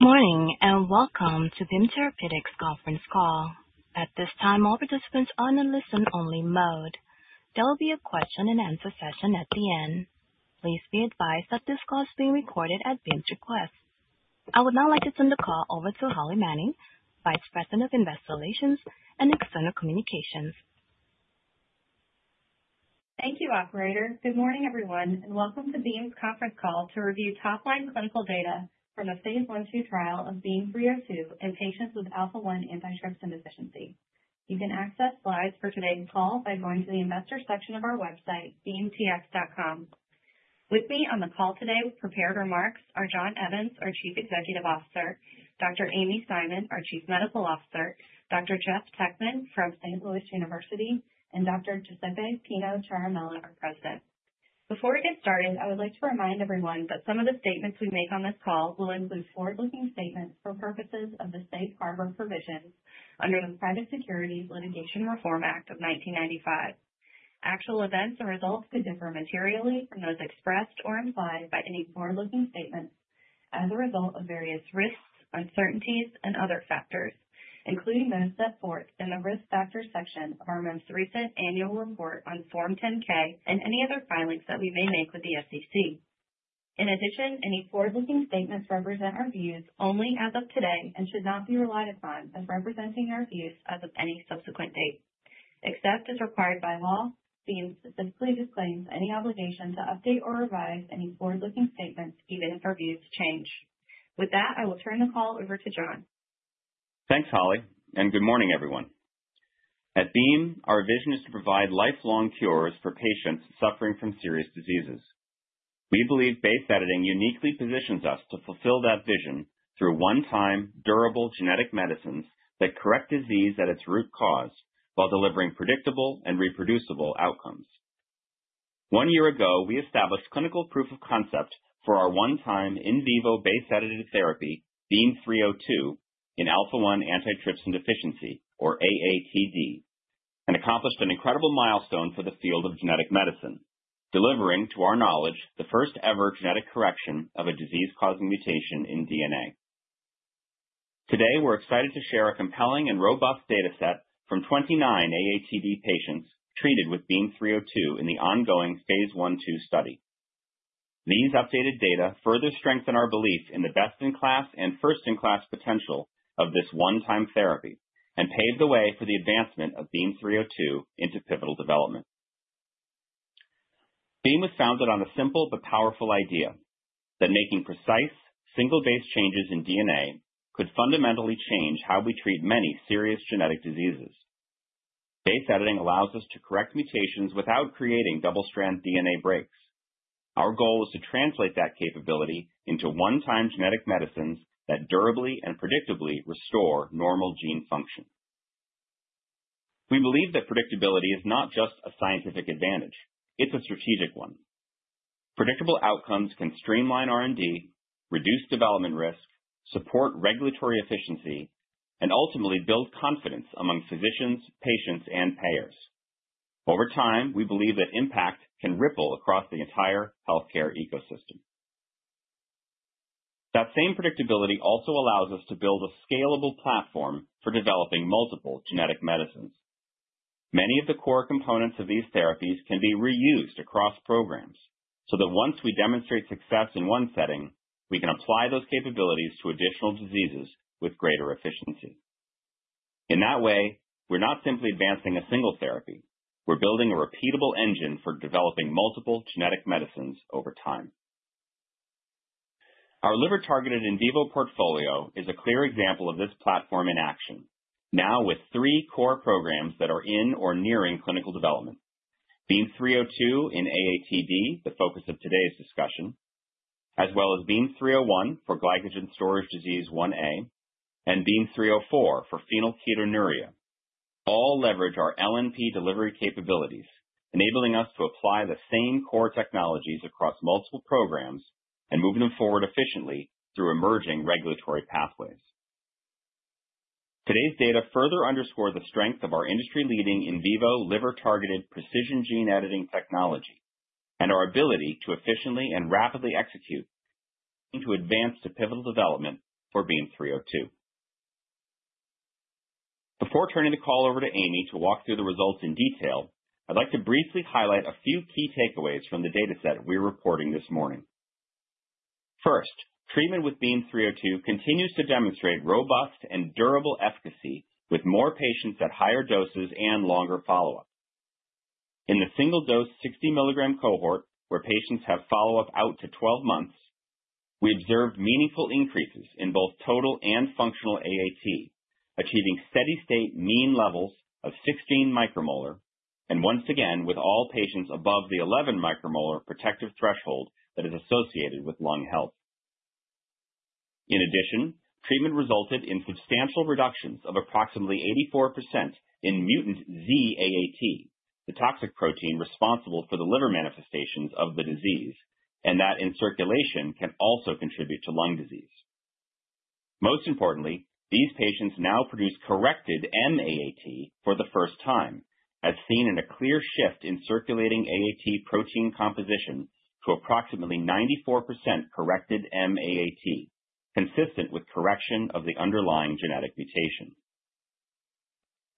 Good morning, and welcome to Beam Therapeutics conference call. At this time, all participants are in listen-only mode. There will be a question-and-answer session at the end. Please be advised that this call is being recorded at Beam's request. I would now like to turn the call over to Holly Manning, Vice President of Investor Relations and External Communications. Thank you, operator. Good morning, everyone, and welcome to Beam's conference call to review top-line clinical data from the phase I/II trial of BEAM-302 in patients with alpha-1 antitrypsin deficiency. You can access slides for today's call by going to the investor section of our website, beamtx.com. With me on the call today with prepared remarks are John Evans, our Chief Executive Officer, Dr. Amy Simon, our Chief Medical Officer, Dr. Jeff Teckman from Saint Louis University, and Dr. Giuseppe Ciaramella, our president. Before we get started, I would like to remind everyone that some of the statements we make on this call will include forward-looking statements for purposes of the Safe Harbor provisions under the Private Securities Litigation Reform Act of 1995. Actual events or results could differ materially from those expressed or implied by any forward-looking statements as a result of various risks, uncertainties and other factors, including those set forth in the Risk Factors section of our most recent Annual Report on Form 10-K, and any other filings that we may make with the SEC. In addition, any forward-looking statements represent our views only as of today and should not be relied upon as representing our views as of any subsequent date. Except as required by law, Beam specifically disclaims any obligation to update or revise any forward-looking statements even if our views change. With that, I will turn the call over to John. Thanks, Holly, and good morning, everyone. At Beam, our vision is to provide lifelong cures for patients suffering from serious diseases. We believe base editing uniquely positions us to fulfill that vision through one-time, durable genetic medicines that correct disease at its root cause while delivering predictable and reproducible outcomes. One year ago, we established clinical proof of concept for our one-time in vivo base edited therapy, BEAM-302 in alpha-1 antitrypsin deficiency, or AATD, and accomplished an incredible milestone for the field of genetic medicine, delivering, to our knowledge, the first ever genetic correction of a disease-causing mutation in DNA. Today, we're excited to share a compelling and robust data set from 29 AATD patients treated with BEAM-302 in the ongoing phase I/II study. These updated data further strengthen our belief in the best-in-class and first-in-class potential of this one-time therapy and paved the way for the advancement of BEAM-302 into pivotal development. Beam was founded on a simple but powerful idea, that making precise single-base changes in DNA could fundamentally change how we treat many serious genetic diseases. Base editing allows us to correct mutations without creating double-strand DNA breaks. Our goal is to translate that capability into one-time genetic medicines that durably and predictably restore normal gene function. We believe that predictability is not just a scientific advantage, it's a strategic one. Predictable outcomes can streamline R&D, reduce development risk, support regulatory efficiency, and ultimately build confidence among physicians, patients, and payers. Over time, we believe that impact can ripple across the entire healthcare ecosystem. That same predictability also allows us to build a scalable platform for developing multiple genetic medicines. Many of the core components of these therapies can be reused across programs so that once we demonstrate success in one setting, we can apply those capabilities to additional diseases with greater efficiency. In that way, we're not simply advancing a single therapy, we're building a repeatable engine for developing multiple genetic medicines over time. Our liver-targeted in vivo portfolio is a clear example of this platform in action, now with three core programs that are in or nearing clinical development. BEAM-302 in AATD, the focus of today's discussion, as well as BEAM-301 for glycogen storage disease 1A, and BEAM-304 for phenylketonuria, all leverage our LNP delivery capabilities, enabling us to apply the same core technologies across multiple programs and move them forward efficiently through emerging regulatory pathways. Today's data further underscores the strength of our industry-leading in vivo liver-targeted precision gene editing technology and our ability to efficiently and rapidly execute to advance to pivotal development for BEAM-302. Before turning the call over to Amy to walk through the results in detail, I'd like to briefly highlight a few key takeaways from the data set we're reporting this morning. First, treatment with BEAM-302 continues to demonstrate robust and durable efficacy with more patients at higher doses and longer follow-up. In the single-dose 60 mg cohort, where patients have follow-up out to 12 months, we observed meaningful increases in both total and functional AAT, achieving steady-state mean levels of 16 μM, and once again with all patients above the 11 μM protective threshold that is associated with lung health. In addition, treatment resulted in substantial reductions of approximately 84% in mutant Z-AAT, the toxic protein responsible for the liver manifestations of the disease, and that in circulation can also contribute to lung disease. Most importantly, these patients now produce corrected M-AAT for the first time. As seen in a clear shift in circulating AAT protein composition to approximately 94% corrected M-AAT, consistent with correction of the underlying genetic mutation.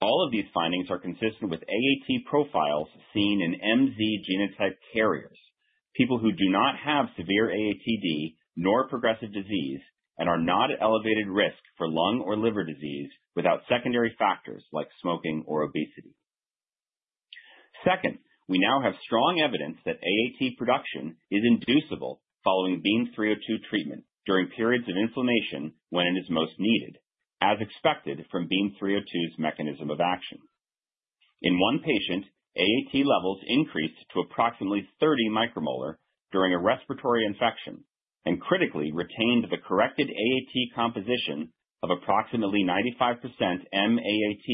All of these findings are consistent with AAT profiles seen in MZ genotype carriers, people who do not have severe AATD nor progressive disease and are not at elevated risk for lung or liver disease without secondary factors like smoking or obesity. Second, we now have strong evidence that AAT production is inducible following BEAM-302 treatment during periods of inflammation when it is most needed, as expected from BEAM-302's mechanism of action. In one patient, AAT levels increased to approximately 30 μM during a respiratory infection and critically retained the corrected AAT composition of approximately 95% M-AAT,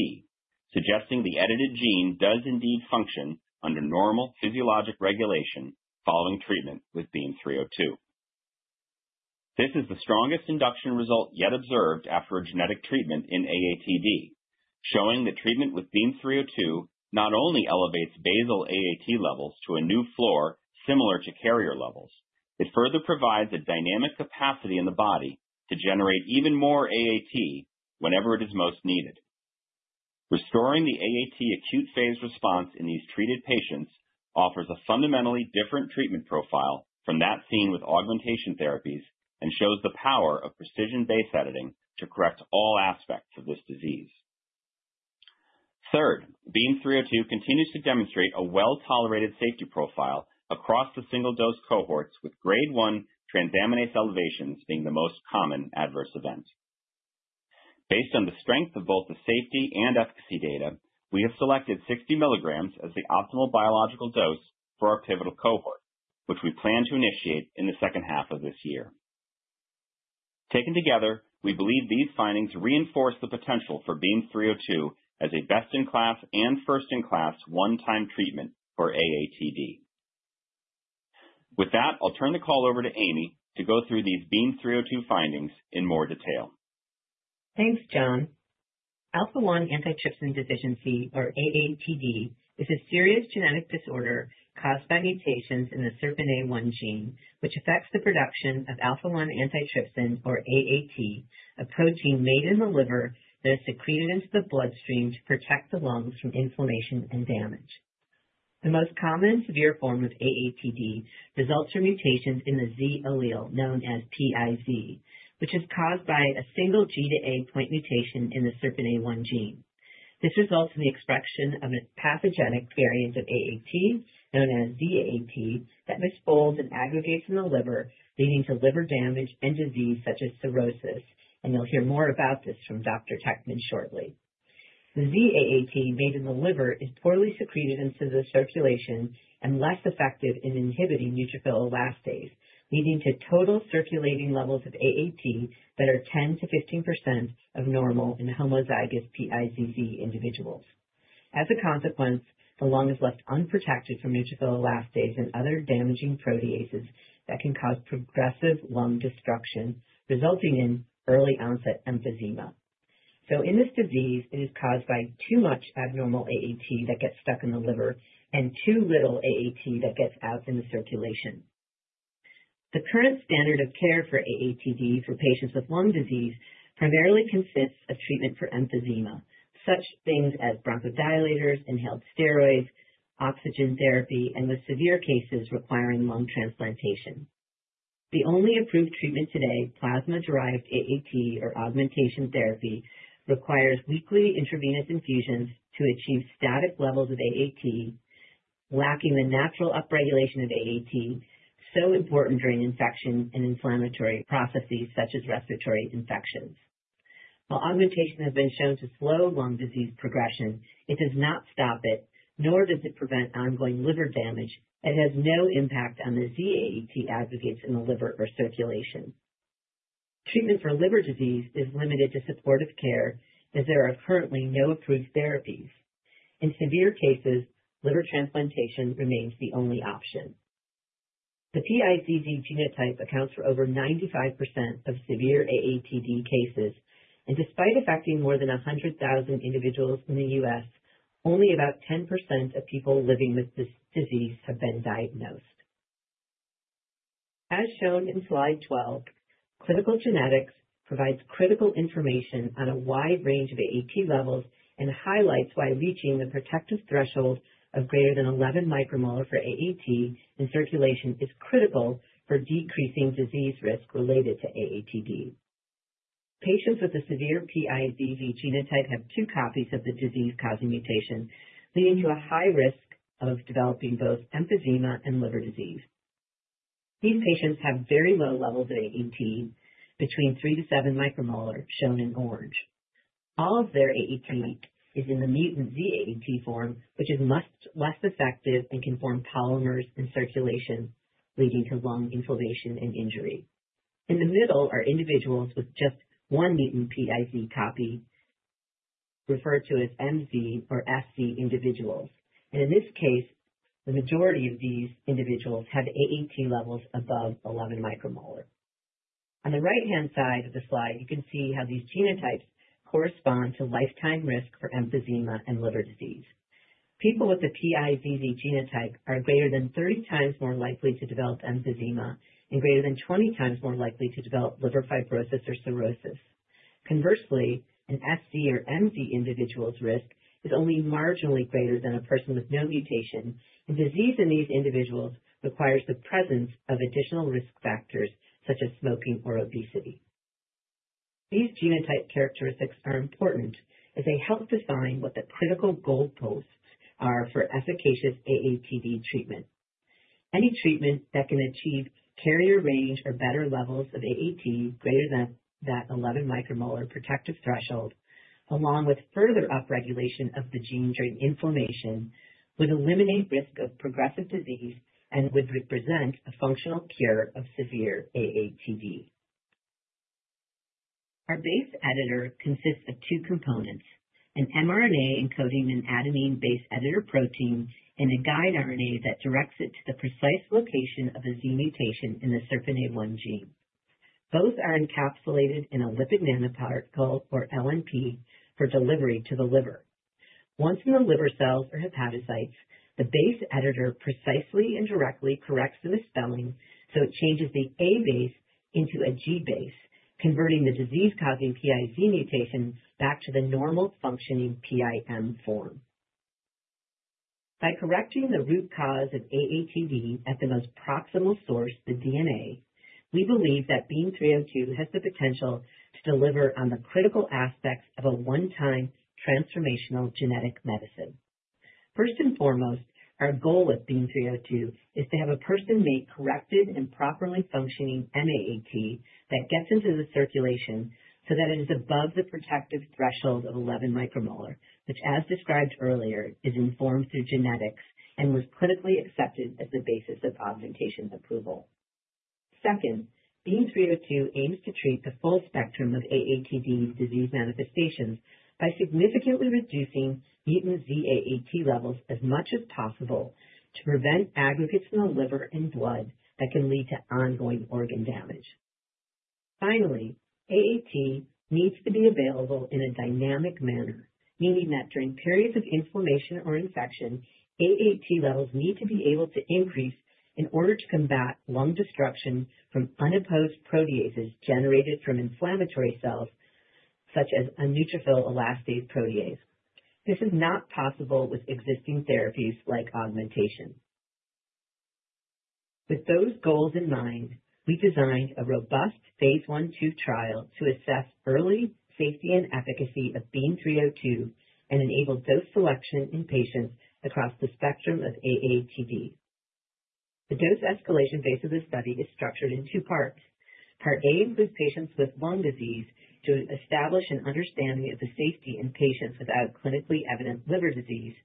suggesting the edited gene does indeed function under normal physiologic regulation following treatment with BEAM-302. This is the strongest induction result yet observed after a genetic treatment in AATD, showing that treatment with BEAM-302 not only elevates basal AAT levels to a new floor similar to carrier levels, it further provides a dynamic capacity in the body to generate even more AAT whenever it is most needed. Restoring the AAT acute phase response in these treated patients offers a fundamentally different treatment profile from that seen with augmentation therapies and shows the power of precision base editing to correct all aspects of this disease. Third, BEAM-302 continues to demonstrate a well-tolerated safety profile across the single-dose cohorts, with Grade 1 transaminase elevations being the most common adverse event. Based on the strength of both the safety and efficacy data, we have selected 60 mg as the optimal biological dose for our pivotal cohort, which we plan to initiate in the second half of this year. Taken together, we believe these findings reinforce the potential for BEAM-302 as a best-in-class and first-in-class one-time treatment for AATD. With that, I'll turn the call over to Amy to go through these BEAM-302 findings in more detail. Thanks, John. Alpha-1 Antitrypsin Deficiency, or AATD, is a serious genetic disorder caused by mutations in the SERPINA1 gene, which affects the production of alpha-1 antitrypsin, or AAT, a protein made in the liver that is secreted into the bloodstream to protect the lungs from inflammation and damage. The most common and severe form of AATD results from mutations in the Z allele known as PiZ, which is caused by a single G-to-A point mutation in the SERPINA1 gene. This results in the expression of a pathogenic variant of AAT, known as Z-AAT, that misfolds and aggregates in the liver, leading to liver damage and disease such as cirrhosis. You'll hear more about this from Dr. Teckman shortly. The Z-AAT made in the liver is poorly secreted into the circulation and less effective in inhibiting neutrophil elastase, leading to total circulating levels of AAT that are 10%-15% of normal in homozygous PiZZ individuals. As a consequence, the lung is left unprotected from neutrophil elastase and other damaging proteases that can cause progressive lung destruction, resulting in early-onset emphysema. In this disease, it is caused by too much abnormal AAT that gets stuck in the liver and too little AAT that gets out in the circulation. The current standard of care for AATD for patients with lung disease primarily consists of treatment for emphysema, such things as bronchodilators, inhaled steroids, oxygen therapy, and with severe cases requiring lung transplantation. The only approved treatment today, plasma-derived AAT or augmentation therapy, requires weekly intravenous infusions to achieve static levels of AAT, lacking the natural upregulation of AAT so important during infections and inflammatory processes such as respiratory infections. While augmentation has been shown to slow lung disease progression, it does not stop it, nor does it prevent ongoing liver damage and has no impact on the Z-AAT aggregates in the liver or circulation. Treatment for liver disease is limited to supportive care, as there are currently no approved therapies. In severe cases, liver transplantation remains the only option. The PiZZ genotype accounts for over 95% of severe AATD cases, and despite affecting more than 100,000 individuals in the U.S., only about 10% of people living with this disease have been diagnosed. As shown in slide 12, clinical genetics provides critical information on a wide range of AAT levels and highlights why reaching the protective threshold of greater than 11 μM for AAT in circulation is critical for decreasing disease risk related to AATD. Patients with a severe PiZZ genotype have two copies of the disease-causing mutation, leading to a high risk of developing both emphysema and liver disease. These patients have very low levels of AAT between 3 μM-7 μM, shown in orange. All of their AAT is in the mutant Z-AAT form, which is much less effective and can form polymers in circulation, leading to lung inflammation and injury. In the middle are individuals with just one mutant PiZ copy, referred to as MZ or SZ individuals. In this case, the majority of these individuals have AAT levels above 11 μM. On the right-hand side of the slide, you can see how these genotypes correspond to lifetime risk for emphysema and liver disease. People with the PiZZ genotype are greater than 30x more likely to develop emphysema and greater than 20x more likely to develop liver fibrosis or cirrhosis. Conversely, an SZ or MZ individual's risk is only marginally greater than a person with no mutation, and disease in these individuals requires the presence of additional risk factors such as smoking or obesity. These genotype characteristics are important as they help define what the critical goalposts are for efficacious AAT treatment. Any treatment that can achieve carrier range or better levels of AAT greater than that 11 μM protective threshold, along with further upregulation of the gene during inflammation, would eliminate risk of progressive disease and would represent a functional cure of severe AATD. Our base editor consists of two components, an mRNA encoding an adenine base editor protein and a guide RNA that directs it to the precise location of a Z mutation in the SERPINA1 gene. Both are encapsulated in a lipid nanoparticle, or LNP, for delivery to the liver. Once in the liver cells or hepatocytes, the base editor precisely and directly corrects the misspelling, so it changes the A base into a G base, converting the disease-causing PiZ mutation back to the normal functioning PiM form. By correcting the root cause of AATD at the most proximal source, the DNA, we believe that BEAM-302 has the potential to deliver on the critical aspects of a one-time transformational genetic medicine. First and foremost, our goal with BEAM-302 is to have a person make corrected and properly functioning M-AAT that gets into the circulation so that it is above the protective threshold of 11 μM, which, as described earlier, is informed through genetics and was clinically accepted as the basis of augmentation's approval. Second, BEAM-302 aims to treat the full spectrum of AATD's disease manifestations by significantly reducing mutant Z-AAT levels as much as possible to prevent aggregates in the liver and blood that can lead to ongoing organ damage. Finally, AAT needs to be available in a dynamic manner, meaning that during periods of inflammation or infection, AAT levels need to be able to increase in order to combat lung destruction from unopposed proteases generated from inflammatory cells, such as a neutrophil elastase protease. This is not possible with existing therapies like augmentation. With those goals in mind, we designed a robust phase I/II trial to assess early safety and efficacy of BEAM-302 and enable dose selection in patients across the spectrum of AATD. The dose escalation phase of the study is structured in two parts. Part A includes patients with lung disease to establish an understanding of the safety in patients without clinically evident liver disease,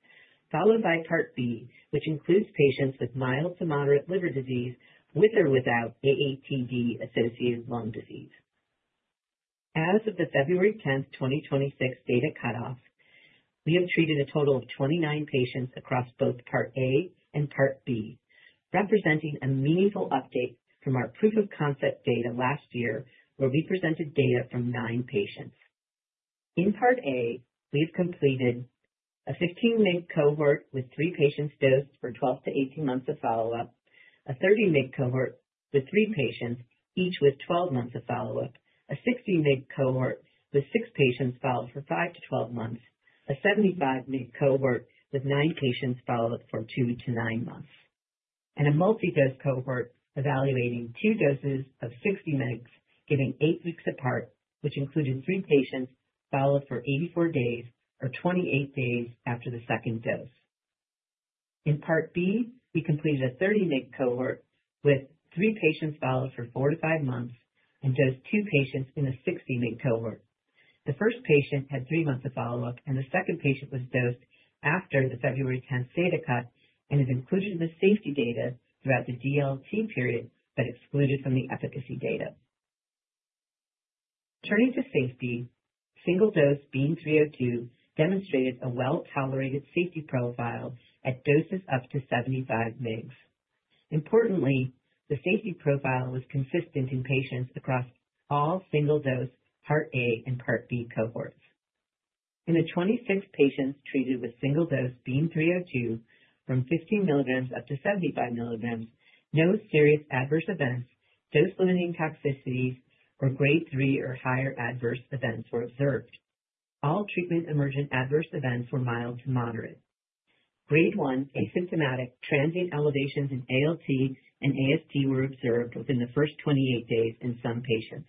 followed by Part B, which includes patients with mild to moderate liver disease with or without AATD-associated lung disease. As of the February 10, 2026 data cutoff, we have treated a total of 29 patients across both Part A and Part B, representing a meaningful update from our proof-of-concept data last year, where we presented data from nine patients. In Part A, we've completed a 15 mg cohort with three patients dosed for 12-18 months of follow-up, a 30 mg cohort with three patients, each with 12 months of follow-up, a 60 mg cohort with six patients followed for five to 12 months, a 75 mg cohort with nine patients followed for two to 9 months, and a multi-dose cohort evaluating two doses of 60 mg given 8 weeks apart, which included three patients followed for 84 days or 28 days after the second dose. In Part B, we completed a 30 mg cohort with three patients followed for four to five months and dosed two patients in a 60 mg cohort. The first patient had three months of follow-up and the second patient was dosed after the February 10 data cut and is included in the safety data throughout the DLT period but excluded from the efficacy data. Turning to safety, single-dose BEAM-302 demonstrated a well-tolerated safety profile at doses up to 75 mg. Importantly, the safety profile was consistent in patients across all single-dose Part A and Part B cohorts. In the 26 patients treated with single-dose BEAM-302 from 15 mg up to 75 mg, no serious adverse events, dose limiting toxicities, or Grade 3 or higher adverse events were observed. All treatment emergent adverse events were mild to moderate. Grade 1 asymptomatic transient elevations in ALT and AST were observed within the first 28 days in some patients.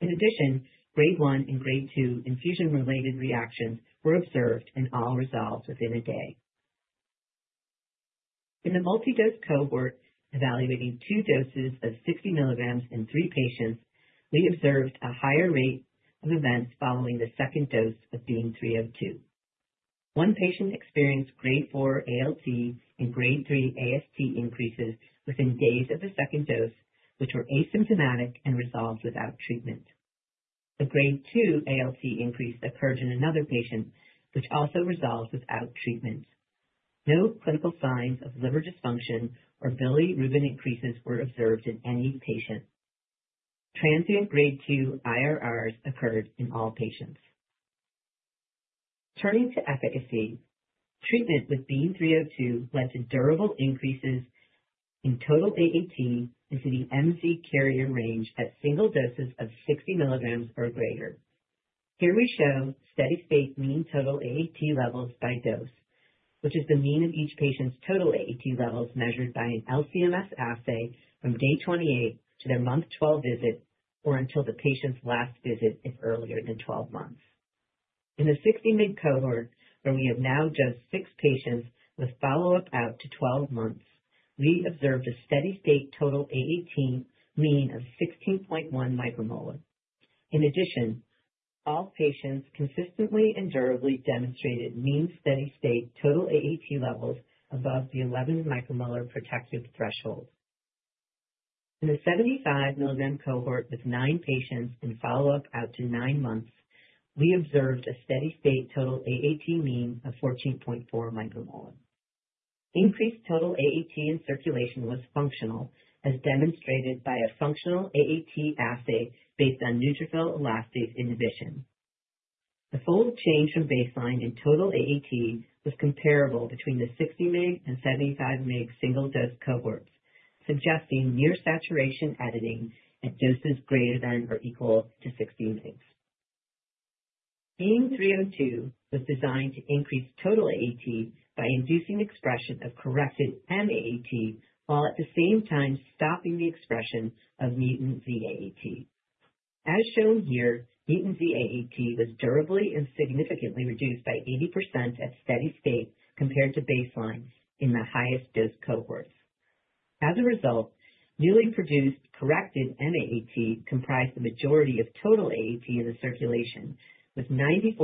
In addition, Grade 1 and Grade 2 infusion-related reactions were observed and all resolved within a day. In the multi-dose cohort evaluating two doses of 60 mg in three patients, we observed a higher rate of events following the second dose of BEAM-302. One patient experienced Grade 4 ALT and Grade 3 AST increases within days of the second dose, which were asymptomatic and resolved without treatment. A Grade 2 ALT increase occurred in another patient, which also resolved without treatment. No clinical signs of liver dysfunction or bilirubin increases were observed in any patient. Transient Grade 2 IRRs occurred in all patients. Turning to efficacy, treatment with BEAM-302 led to durable increases in total AAT into the MZ carrier range at single doses of 60 mg or greater. Here we show steady-state mean total AAT levels by dose, which is the mean of each patient's total AAT levels measured by an LC-MS assay from day 28 to their month 12 visit, or until the patient's last visit if earlier than 12 months. In the 60 mg cohort, where we have now dosed six patients with follow-up out to 12 months, we observed a steady-state total AAT mean of 16.1 μM. In addition, all patients consistently and durably demonstrated mean steady-state total AAT levels above the 11 μM protective threshold. In the 75 mg cohort with nine patients and follow-up out to nine months, we observed a steady-state total AAT mean of 14.4 μM. Increased total AAT in circulation was functional, as demonstrated by a functional AAT assay based on neutrophil elastase inhibition. The fold change from baseline in total AAT was comparable between the 60 mg and 75 mg single-dose cohorts, suggesting near saturation editing at doses greater than or equal to 60 mg. BEAM-302 was designed to increase total AAT by inducing expression of corrected M-AAT, while at the same time stopping the expression of mutant Z-AAT. As shown here, mutant Z-AAT was durably and significantly reduced by 80% at steady state compared to baseline in the highest dose cohorts. As a result, newly produced corrected M-AAT comprised the majority of total AAT in the circulation, with 94%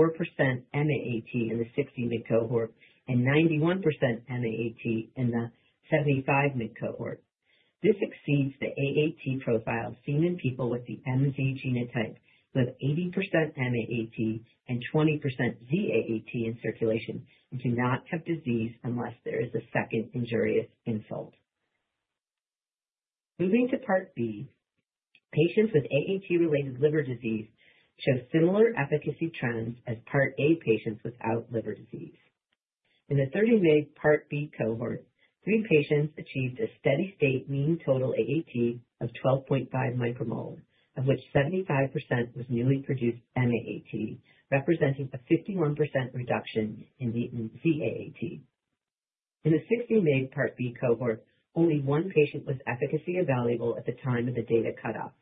M-AAT in the 60 mg cohort and 91% M-AAT in the 75 mg cohort. This exceeds the AAT profile seen in people with the MZ genotype, who have 80% M-AAT and 20% Z-AAT in circulation and do not have disease unless there is a second injurious insult. Moving to Part B, patients with AAT-related liver disease show similar efficacy trends as Part A patients without liver disease. In the 30 mg Part B cohort, three patients achieved a steady-state mean total AAT of 12.5 micromole, of which 75% was newly produced M-AAT, representing a 51% reduction in mutant Z-AAT. In the 60 mg Part B cohort, only one patient was efficacy evaluable at the time of the data cutoff.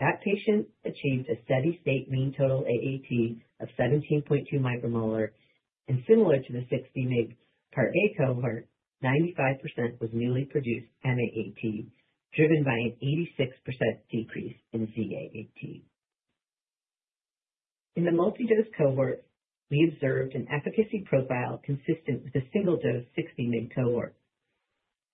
That patient achieved a steady-state mean total AAT of 17.2 μM, and similar to the 60 mg Part A cohort, 95% was newly produced M-AAT, driven by an 86% decrease in Z-AAT. In the multi-dose cohort, we observed an efficacy profile consistent with the single-dose 60 mg cohort.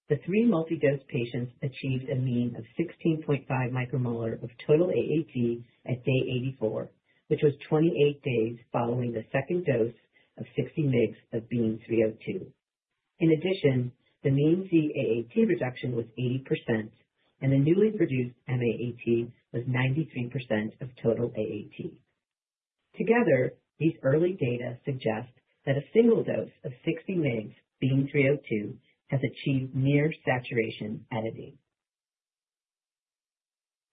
The three multi-dose patients achieved a mean of 16.5 μM of total AAT at day 84, which was 28 days following the second dose of 60 mg of BEAM-302. In addition, the mean Z-AAT reduction was 80%, and the newly produced M-AAT was 93% of total AAT. Together, these early data suggest that a single dose of 60 mg BEAM-302 has achieved near saturation editing.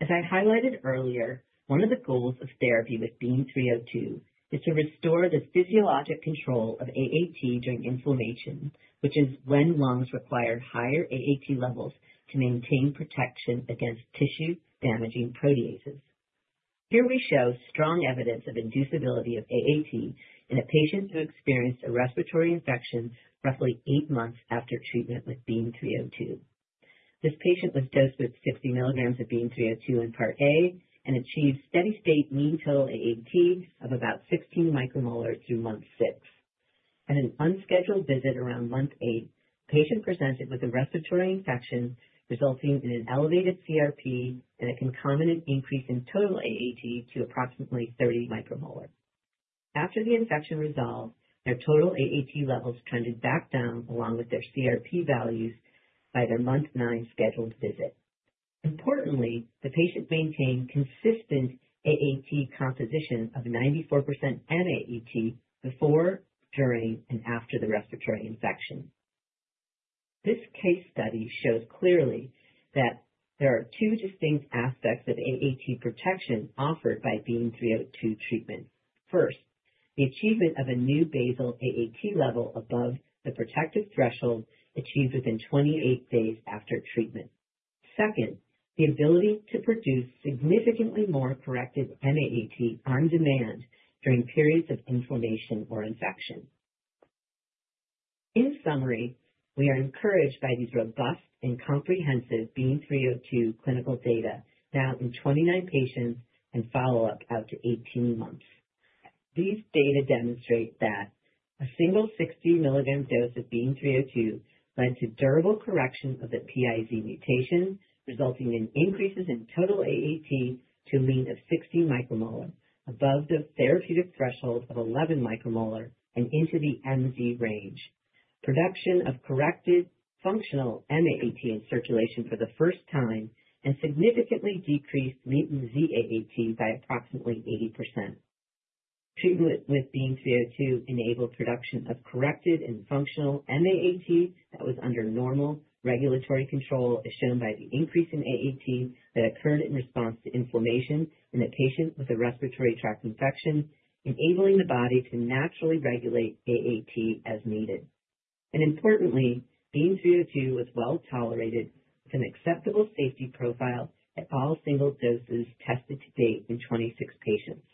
As I highlighted earlier, one of the goals of therapy with BEAM-302 is to restore the physiologic control of AAT during inflammation, which is when lungs require higher AAT levels to maintain protection against tissue-damaging proteases. Here we show strong evidence of inducibility of AAT in a patient who experienced a respiratory infection roughly eight months after treatment with BEAM-302. This patient was dosed with 60 mg of BEAM-302 in Part A and achieved steady-state mean total AAT of about 16 μM through month six. At an unscheduled visit around month 8, patient presented with a respiratory infection resulting in an elevated CRP and a concomitant increase in total AAT to approximately 30 μM. After the infection resolved, their total AAT levels trended back down, along with their CRP values by their month nine scheduled visit. Importantly, the patient maintained consistent AAT composition of 94% M-AAT before, during, and after the respiratory infection. This case study shows clearly that there are two distinct aspects of AAT protection offered by BEAM-302 treatment. First, the achievement of a new basal AAT level above the protective threshold achieved within 28 days after treatment. Second, the ability to produce significantly more corrected M-AAT on demand during periods of inflammation or infection. In summary, we are encouraged by these robust and comprehensive BEAM-302 clinical data now in 29 patients and follow-up out to 18 months. These data demonstrate that a single 60 mg dose of BEAM-302 led to durable correction of the PiZ mutation, resulting in increases in total AAT to a mean of 60 μM above the therapeutic threshold of 11 μM and into the MZ range. Production of corrected functional M-AAT in circulation for the first time and significantly decreased mutant Z-AAT by approximately 80%. Treatment with BEAM-302 enabled production of corrected and functional M-AAT that was under normal regulatory control, as shown by the increase in AAT that occurred in response to inflammation in a patient with a respiratory tract infection, enabling the body to naturally regulate AAT as needed. Importantly, BEAM-302 was well-tolerated with an acceptable safety profile at all single doses tested to date in 26 patients.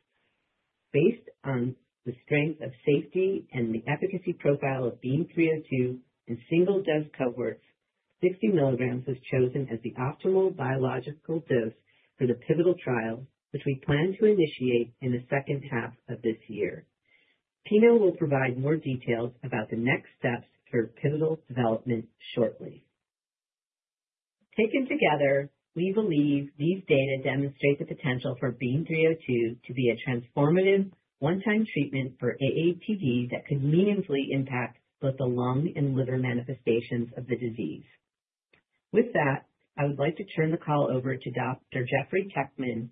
Based on the strength of safety and the efficacy profile of BEAM-302 in single-dose cohorts, 60 mg was chosen as the optimal biological dose for the pivotal trial, which we plan to initiate in the second half of this year. Tino will provide more details about the next steps for pivotal development shortly. Taken together, we believe these data demonstrate the potential for BEAM-302 to be a transformative one-time treatment for AATD that could meaningfully impact both the lung and liver manifestations of the disease. With that, I would like to turn the call over to Dr. Jeffrey Teckman.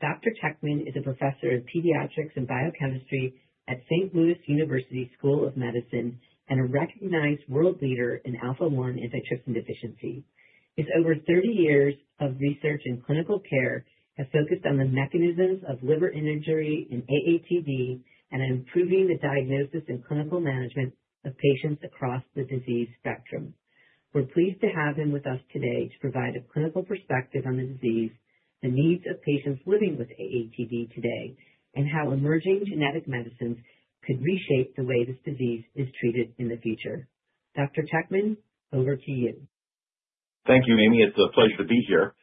Dr. Teckman is a professor of pediatrics and biochemistry at Saint Louis University School of Medicine and a recognized world leader in alpha-1 antitrypsin deficiency. His over 30 years of research in clinical care have focused on the mechanisms of liver injury in AATD and on improving the diagnosis and clinical management of patients across the disease spectrum. We're pleased to have him with us today to provide a clinical perspective on the disease, the needs of patients living with AATD today, and how emerging genetic medicines could reshape the way this disease is treated in the future. Dr. Teckman, over to you. Thank you, Amy. It's a pleasure to be here.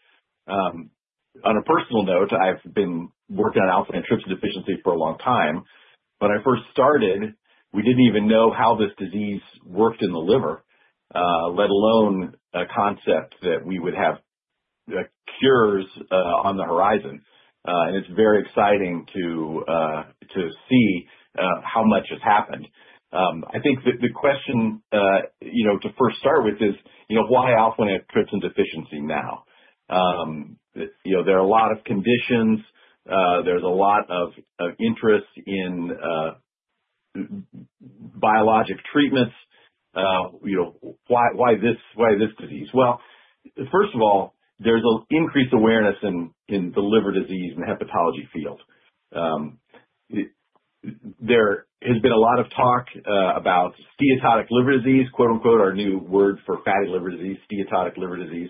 On a personal note, I've been working on alpha-1 antitrypsin deficiency for a long time. When I first started, we didn't even know how this disease worked in the liver, let alone a concept that we would have, like, cures, on the horizon. It's very exciting to see how much has happened. I think the question, you know, to first start with is, you know, why alpha-1 antitrypsin deficiency now? You know, there are a lot of conditions. There's a lot of interest in biological treatments. You know, why this disease? Well, first of all, there's an increased awareness in the liver disease and hepatology field. There has been a lot of talk about steatotic liver disease, quote-unquote, our new word for fatty liver disease, steatotic liver disease.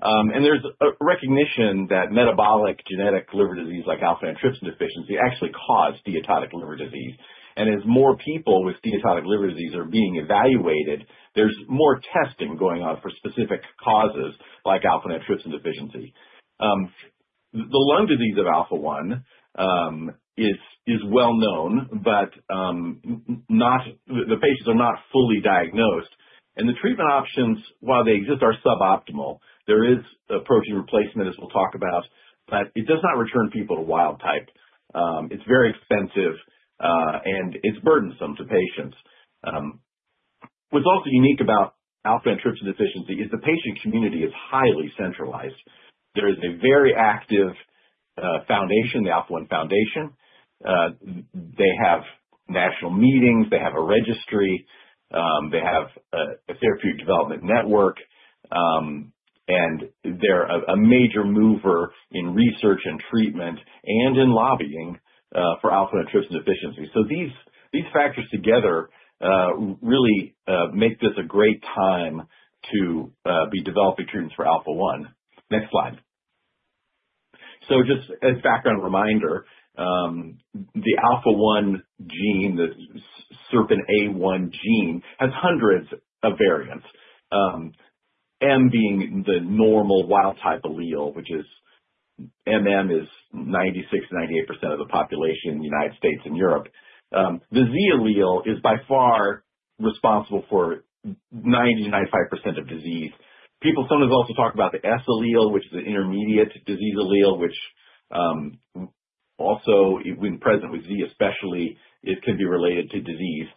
There's a recognition that metabolic genetic liver disease like alpha-1 antitrypsin deficiency actually cause steatotic liver disease. As more people with steatotic liver disease are being evaluated, there's more testing going on for specific causes like alpha-1 antitrypsin deficiency. The lung disease of alpha-1 is well known, but the patients are not fully diagnosed. The treatment options, while they exist, are suboptimal. There is a protein replacement, as we'll talk about, but it does not return people to wild type. It's very expensive, and it's burdensome to patients. What's also unique about alpha-1 antitrypsin deficiency is the patient community is highly centralized. There is a very active foundation, the Alpha-1 Foundation. They have national meetings, they have a registry, they have a therapeutic development network, and they're a major mover in research and treatment and in lobbying for alpha-1 antitrypsin deficiency. These factors together really make this a great time to be developing treatments for alpha-1. Next slide. Just as background reminder, the alpha-1 gene, the SERPINA1 gene, has hundreds of variants. M being the normal wild type allele, which is MM, is 96%-98% of the population in the United States and Europe. The Z allele is by far responsible for 90%-95% of disease. People sometimes also talk about the S allele, which is an intermediate disease allele, which also when present with Z especially, it can be related to disease.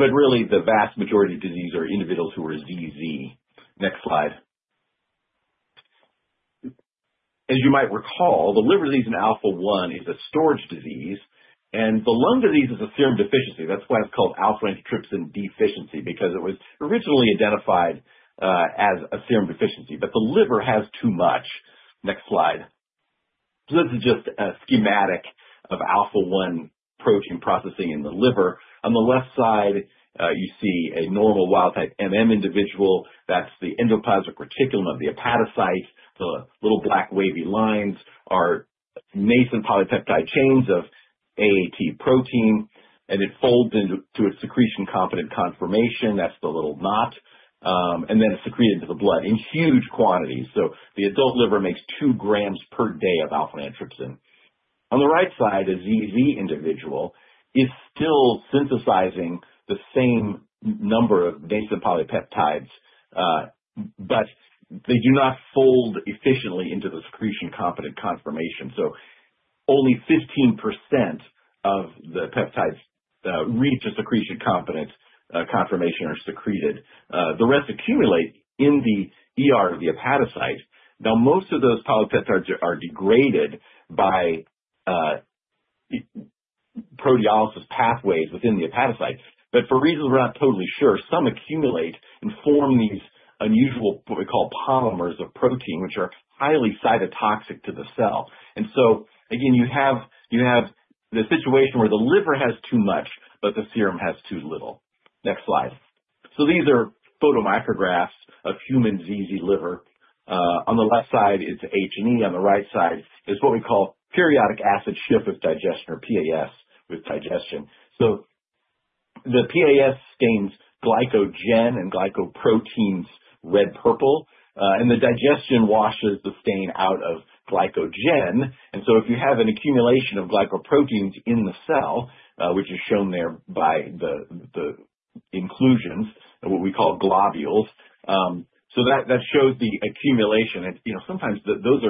Really the vast majority of diseased individuals are ZZ. Next slide. As you might recall, the liver disease in alpha-1 is a storage disease, and the lung disease is a serum deficiency. That's why it's called alpha-1 antitrypsin deficiency, because it was originally identified as a serum deficiency, but the liver has too much. Next slide. This is just a schematic of alpha-1 protein processing in the liver. On the left side, you see a normal wild-type MM individual. That's the endoplasmic reticulum of the hepatocyte. The little black wavy lines are nascent polypeptide chains of AAT protein, and it folds into its secretion-competent conformation. That's the little knot. And then it's secreted into the blood in huge quantities. The adult liver makes 2 g per day of alpha-1 antitrypsin. On the right side, a ZZ individual is still synthesizing the same number of nascent polypeptides, but they do not fold efficiently into the secretion-competent conformation. Only 15% of the peptides reach a secretion-competent conformation are secreted. The rest accumulate in the ER of the hepatocyte. Now, most of those polypeptides are degraded by proteolysis pathways within the hepatocyte. But for reasons we're not totally sure, some accumulate and form these unusual, what we call polymers of protein, which are highly cytotoxic to the cell. Again, you have the situation where the liver has too much, but the serum has too little. Next slide. These are photomicrographs of human ZZ liver. On the left side is H&E. On the right side is what we call periodic acid-Schiff with digestion or PAS with digestion. The PAS stains glycogen and glycoproteins red purple, and the digestion washes the stain out of glycogen. If you have an accumulation of glycoproteins in the cell, which is shown there by the inclusions and what we call globules, that shows the accumulation. You know, sometimes those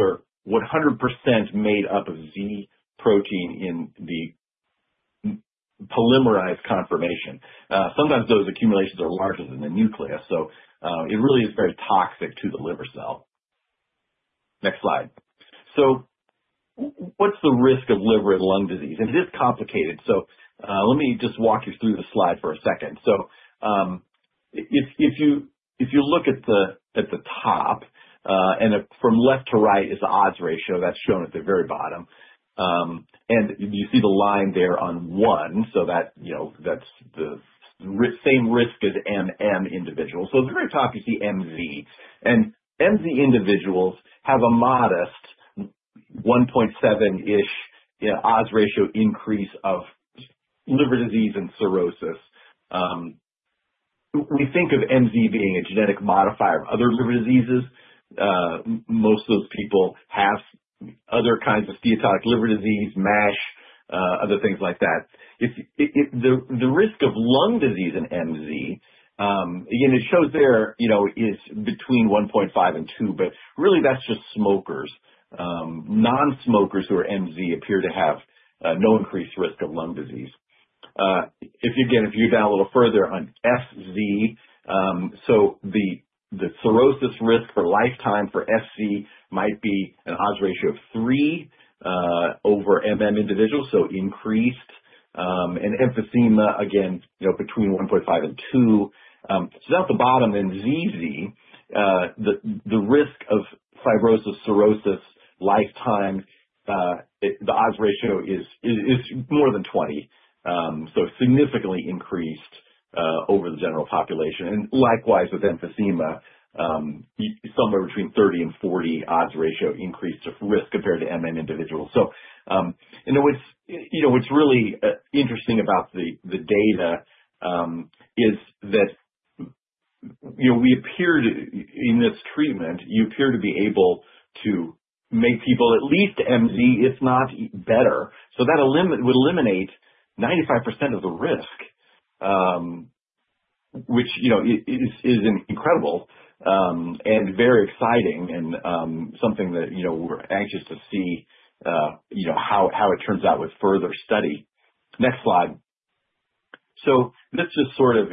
are 100% made up of Z protein in the polymerized conformation. Sometimes those accumulations are larger than the nucleus. It really is very toxic to the liver cell. Next slide. What's the risk of liver and lung disease? It is complicated. Let me just walk you through the slide for a second. If you look at the top, and as from left to right is the odds ratio that's shown at the very bottom. And you see the line there on one, you know, that's the same risk as MM individual. At the very top you see MZ, and MZ individuals have a modest 1.7-ish, you know, odds ratio increase of liver disease and cirrhosis. We think of MZ being a genetic modifier of other liver diseases. Most of those people have other kinds of steatotic liver disease, MASH, other things like that. The risk of lung disease in MZ, again, it shows there, you know, is between 1.5 and 2, but really that's just smokers. Non-smokers who are MZ appear to have no increased risk of lung disease. If you look down a little further on FZ, the cirrhosis risk for lifetime for FZ might be an odds ratio of three over MM individuals, so increased. And emphysema again, you know, between 1.5-2. Down at the bottom in ZZ, the risk of fibrosis, cirrhosis lifetime, the odds ratio is more than 20. Significantly increased over the general population. Likewise with emphysema, somewhere between 30-40 odds ratio increase of risk compared to MM individuals. What's really interesting about the data is that, you know, we appear to. In this treatment, you appear to be able to make people at least MZ, if not better. That would eliminate 95% of the risk, which, you know, is incredible, and very exciting and, something that, you know, we're anxious to see, you know, how it turns out with further study. Next slide. This just sort of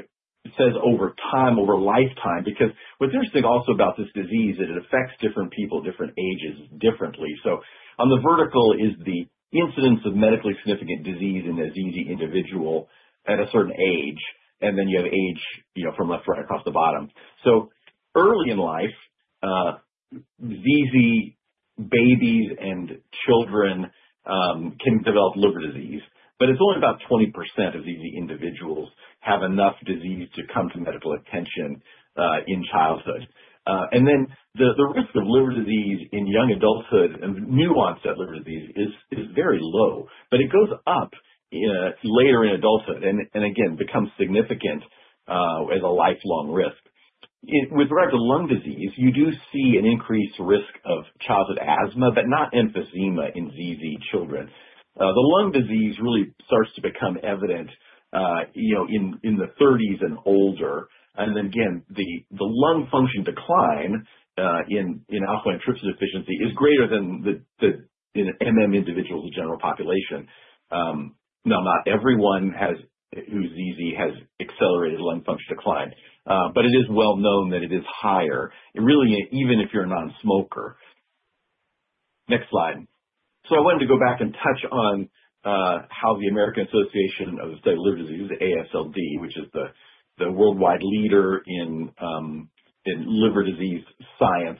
says over time, over lifetime, because what's interesting also about this disease is it affects different people, different ages differently. On the vertical is the incidence of medically significant disease in a ZZ individual at a certain age. Then you have age, you know, from left, right across the bottom. Early in life, ZZ babies and children can develop liver disease, but it's only about 20% of ZZ individuals have enough disease to come to medical attention in childhood. The risk of liver disease in young adulthood and incidence of liver disease is very low, but it goes up later in adulthood and again becomes significant as a lifelong risk. With regard to lung disease, you do see an increased risk of childhood asthma, but not emphysema in ZZ children. The lung disease really starts to become evident in the thirties and older. The lung function decline in alpha-1 antitrypsin deficiency is greater than the in MM individuals in general population. Now not everyone has, who's ZZ has accelerated lung function decline, but it is well known that it is higher and really even if you're a non-smoker. Next slide. I wanted to go back and touch on how the American Association for the Study of Liver Diseases, AASLD, which is the worldwide leader in liver disease science.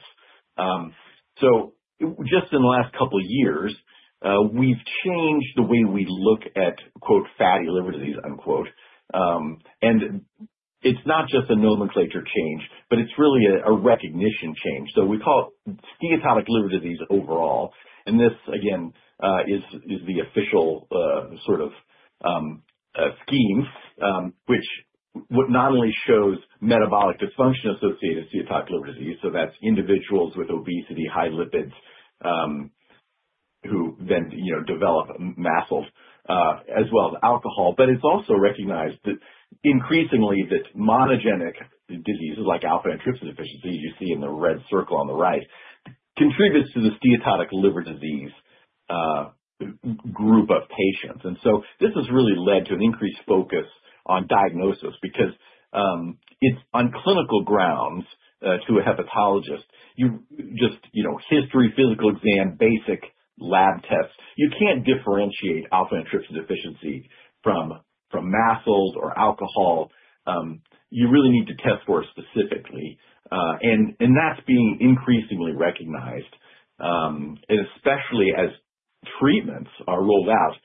Just in the last couple years, we've changed the way we look at "fatty liver disease." It's not just a nomenclature change, but it's really a recognition change. We call steatotic liver disease overall. This again is the official sort of scheme, which not only shows metabolic dysfunction associated steatotic liver disease, so that's individuals with obesity, high lipids, who then, you know, develop MASLD, as well as alcohol. It's also recognized that increasingly monogenic diseases like alpha-1 antitrypsin deficiency, you see in the red circle on the right, contributes to the steatotic liver disease, group of patients. This has really led to an increased focus on diagnosis because it's on clinical grounds to a hepatologist. You just, you know, history, physical exam, basic lab tests. You can't differentiate alpha-1 antitrypsin deficiency from MASLD or alcohol. You really need to test for it specifically. That's being increasingly recognized. Especially as treatments are rolled out,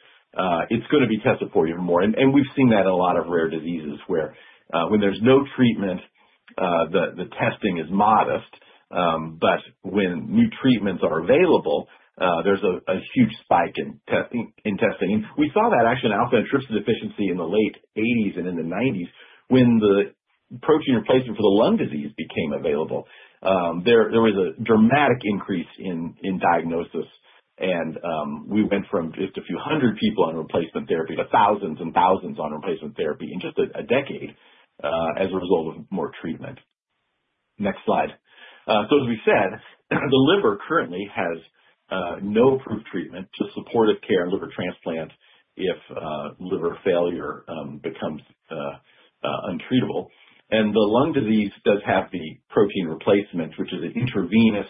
it's gonna be tested for even more. We've seen that in a lot of rare diseases where when there's no treatment, the testing is modest. But when new treatments are available, there's a huge spike in testing. We saw that actually in alpha-1 antitrypsin deficiency in the late 1980s and in the 1990s when the protein replacement for the lung disease became available. There was a dramatic increase in diagnosis. We went from just a few hundred people on replacement therapy to thousands and thousands on replacement therapy in just a decade as a result of more treatment. Next slide. As we said, the liver currently has no approved treatment but supportive care and liver transplant if liver failure becomes untreatable. The lung disease does have the protein replacement, which is an intravenous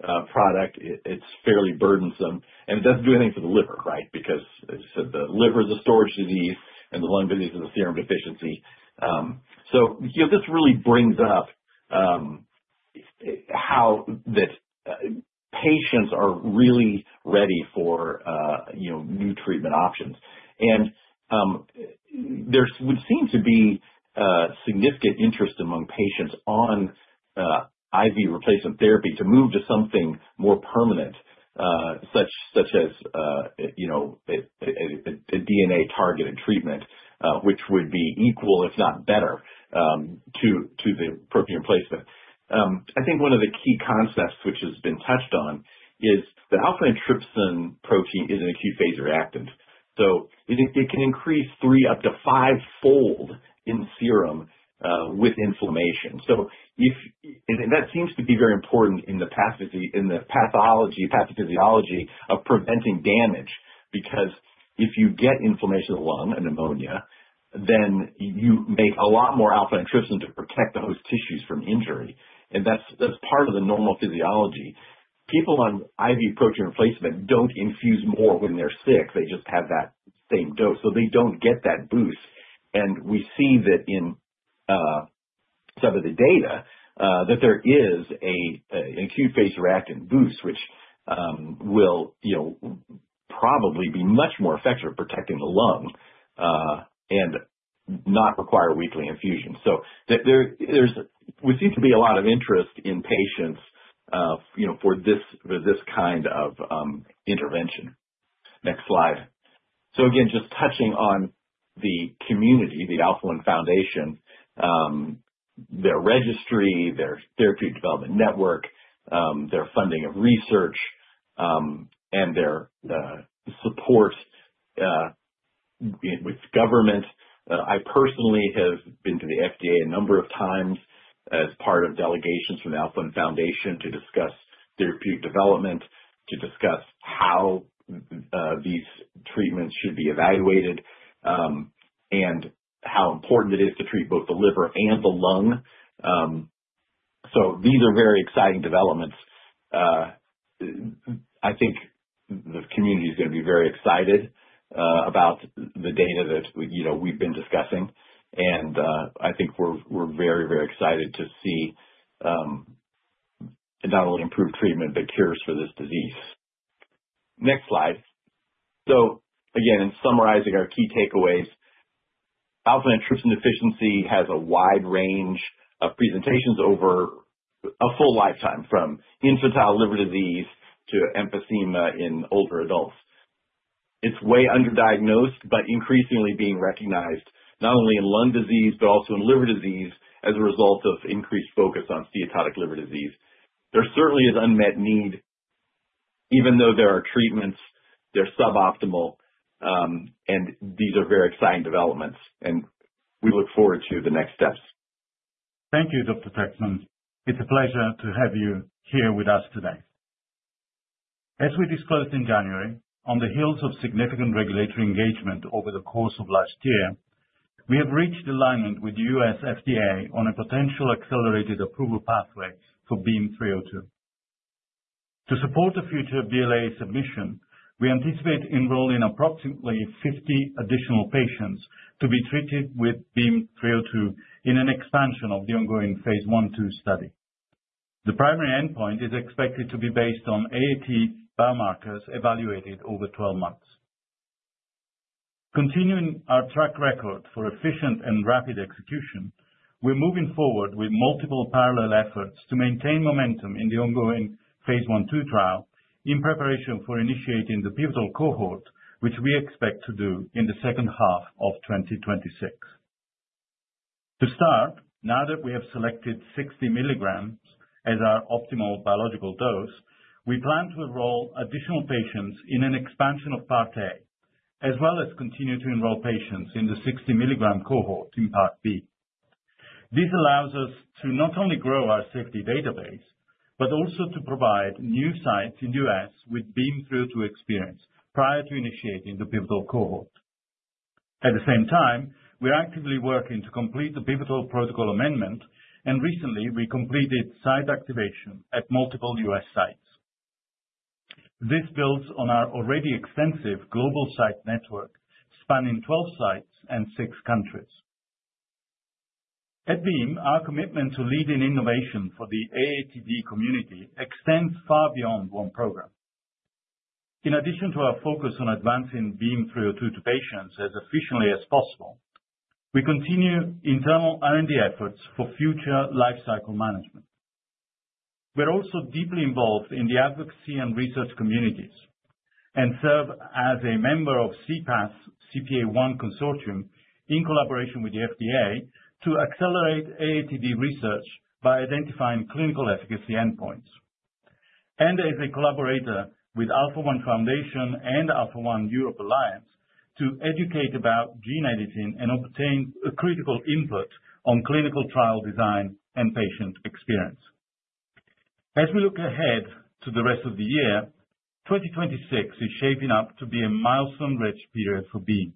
product. It's fairly burdensome, and it doesn't do anything for the liver, right? Because as I said, the liver is a storage disease and the lung disease is a serum deficiency. You know, this really brings up how that patients are really ready for you know, new treatment options. There would seem to be significant interest among patients on IV replacement therapy to move to something more permanent such as you know, a DNA-targeted treatment which would be equal, if not better, to the protein replacement. I think one of the key concepts which has been touched on is that alpha-1 antitrypsin protein is an acute phase reactant, so it can increase three to five-fold in serum with inflammation. That seems to be very important in the pathology, pathophysiology of preventing damage, because if you get inflammation of the lung and pneumonia, then you make a lot more alpha-1 antitrypsin to protect the host tissues from injury. That's part of the normal physiology. People on IV protein replacement don't infuse more when they're sick. They just have that same dose, so they don't get that boost. We see that in some of the data that there is an acute phase reactant boost, which will, you know, probably be much more effective at protecting the lung and not require weekly infusion. There's a lot of interest in patients, you know, for this kind of intervention. Next slide. Again, just touching on the community, the Alpha-1 Foundation, their registry, their therapy development network, their funding of research, and their support with government. I personally have been to the FDA a number of times as part of delegations from the Alpha-1 Foundation to discuss therapeutic development, to discuss how these treatments should be evaluated, and how important it is to treat both the liver and the lung. These are very exciting developments. I think the community is going be very excited about the data that, you know, we've been discussing. I think we're very excited to see not only improved treatment, but cures for this disease. Next slide. Again, in summarizing our key takeaways, alpha-1 antitrypsin deficiency has a wide range of presentations over a full lifetime, from infantile liver disease to emphysema in older adults. It's way underdiagnosed but increasingly being recognized not only in lung disease but also in liver disease as a result of increased focus on steatotic liver disease. There certainly is unmet need. Even though there are treatments, they're suboptimal. These are very exciting developments, and we look forward to the next steps. Thank you, Dr. Teckman. It's a pleasure to have you here with us today. As we disclosed in January, on the heels of significant regulatory engagement over the course of last year, we have reached alignment with U.S. FDA on a potential accelerated approval pathway for BEAM-302. To support the future BLA submission, we anticipate enrolling approximately 50 additional patients to be treated with BEAM-302 in an expansion of the ongoing phase I/II study. The primary endpoint is expected to be based on AAT biomarkers evaluated over 12 months. Continuing our track record for efficient and rapid execution. We're moving forward with multiple parallel efforts to maintain momentum in the ongoing phase I/II trial in preparation for initiating the pivotal cohort, which we expect to do in the second half of 2026. To start, now that we have selected 60 mg as our optimal biological dose, we plan to enroll additional patients in an expansion of Part A, as well as continue to enroll patients in the 60 mg cohort in Part B. This allows us to not only grow our safety database, but also to provide new sites in U.S. with BEAM-302 experience prior to initiating the pivotal cohort. At the same time, we're actively working to complete the pivotal protocol amendment, and recently we completed site activation at multiple U.S. sites. This builds on our already extensive global site network spanning 12 sites and six countries. At Beam, our commitment to leading innovation for the AATD community extends far beyond one program. In addition to our focus on advancing BEAM-302 to patients as efficiently as possible, we continue internal R&D efforts for future life cycle management. We're also deeply involved in the advocacy and research communities and serve as a member of C-Path's CPA-1 consortium in collaboration with the FDA to accelerate AATD research by identifying clinical efficacy endpoints, as a collaborator with Alpha-1 Foundation and Alpha-1 Europe Alliance to educate about gene editing and obtain a critical input on clinical trial design and patient experience. As we look ahead to the rest of the year, 2026 is shaping up to be a milestone-rich period for BEAM,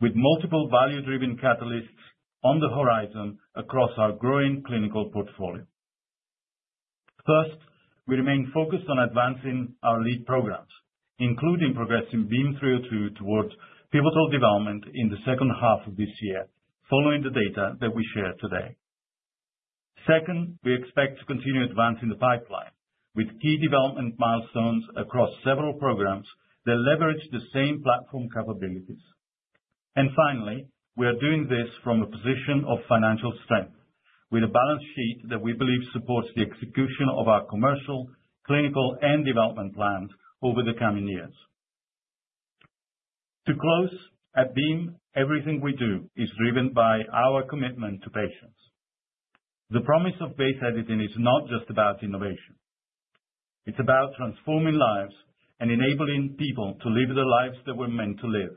with multiple value-driven catalysts on the horizon across our growing clinical portfolio. First, we remain focused on advancing our lead programs, including progressing BEAM-302 towards pivotal development in the second half of this year, following the data that we share today. Second, we expect to continue advancing the pipeline with key development milestones across several programs that leverage the same platform capabilities. Finally, we are doing this from a position of financial strength with a balance sheet that we believe supports the execution of our commercial, clinical, and development plans over the coming years. To close, at BEAM, everything we do is driven by our commitment to patients. The promise of base editing is not just about innovation. It's about transforming lives and enabling people to live the lives that we're meant to live.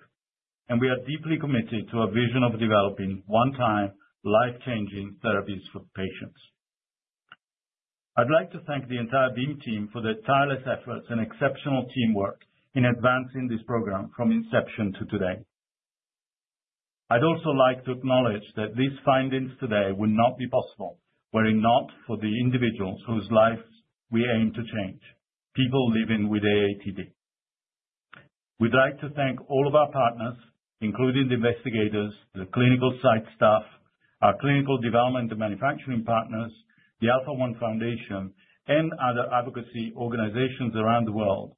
We are deeply committed to a vision of developing one-time life-changing therapies for patients. I'd like to thank the entire BEAM team for their tireless efforts and exceptional teamwork in advancing this program from inception to today. I'd also like to acknowledge that these findings today would not be possible were it not for the individuals whose lives we aim to change, people living with AATD. We'd like to thank all of our partners, including the investigators, the clinical site staff, our clinical development and manufacturing partners, the Alpha-1 Foundation, and other advocacy organizations around the world.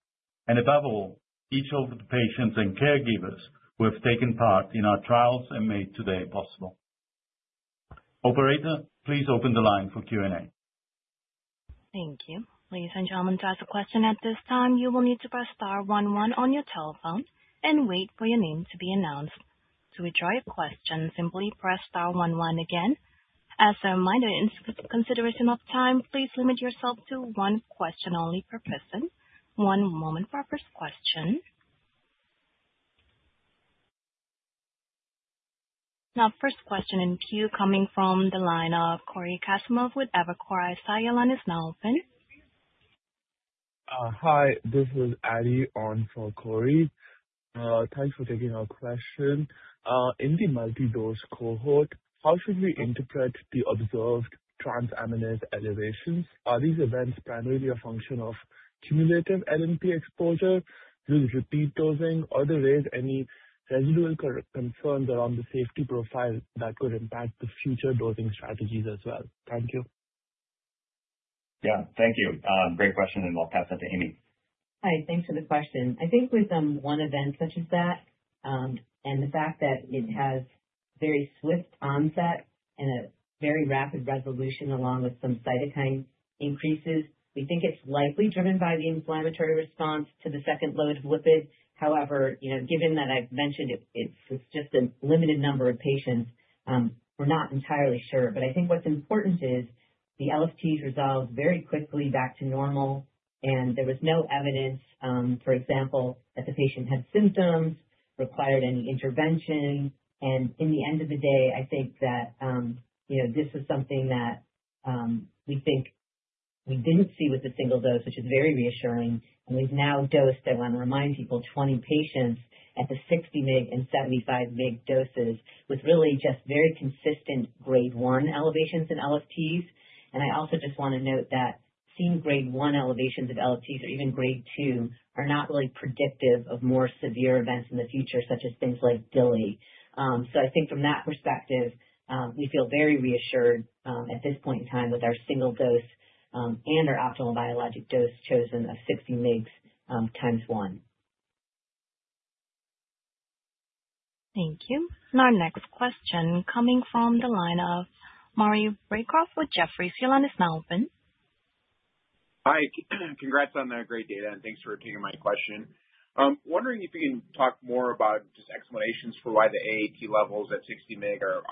Above all, each of the patients and caregivers who have taken part in our trials and made today possible. Operator, please open the line for Q&A. Thank you. Ladies and gentlemen, to ask a question at this time, you will need to press star one one on your telephone and wait for your name to be announced. To withdraw your question, simply press star one one again. As a reminder, in consideration of time, please limit yourself to one question only per person. One moment for our first question. Now, first question in queue coming from the line of Cory Kasimov with Evercore ISI. Line is now open. Hi, this is Eddy on for Cory. Thanks for taking our question. In the multi-dose cohort, how should we interpret the observed transaminase elevations? Are these events primarily a function of cumulative LNP exposure with repeat dosing? Are there any residual concerns around the safety profile that could impact the future dosing strategies as well? Thank you. Yeah. Thank you. Great question, and I'll pass that to Amy. Hi. Thanks for the question. I think with one event such as that, and the fact that it has very swift onset and a very rapid resolution along with some cytokine increases, we think it's likely driven by the inflammatory response to the second load of lipid. However, you know, given that I've mentioned it's just a limited number of patients, we're not entirely sure. But I think what's important is the LFTs resolved very quickly back to normal, and there was no evidence, for example, that the patient had symptoms, required any intervention. At the end of the day, I think that, you know, this is something that we think we didn't see with the single dose, which is very reassuring. We've now dosed, I want to remind people, 20 patients at the 60 mg and 75 mg doses with really just very consistent Grade 1 elevations in ALTs. I also just want to note that seeing Grade 1 elevations of LFTs or even Grade 2 are not really predictive of more severe events in the future, such as things like DILI. I think from that perspective, we feel very reassured, at this point in time with our single dose, and our optimal biologic dose chosen of 60 mg, x1. Thank you. Our next question coming from the line of Maury Raycroft with Jefferies. Your line is now open. Hi. Congrats on that great data, and thanks for taking my question. Wondering if you can talk more about just explanations for why the AAT levels at 60 mg are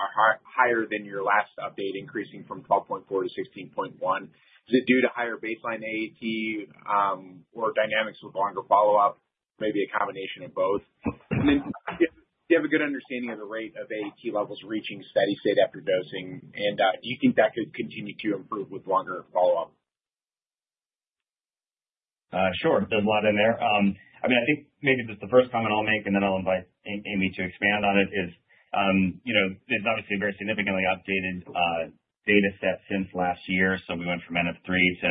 higher than your last update, increasing from 12.4 to 16.1. Is it due to higher baseline AAT, or dynamics with longer follow-up? Maybe a combination of both. Do you have a good understanding of the rate of AAT levels reaching steady state after dosing? Do you think that could continue to improve with longer follow-up? Sure. There's a lot in there. I mean, I think maybe just the first comment I'll make, and then I'll invite Amy to expand on it, is, you know, there's obviously a very significantly updated data set since last year. We went from n=3 to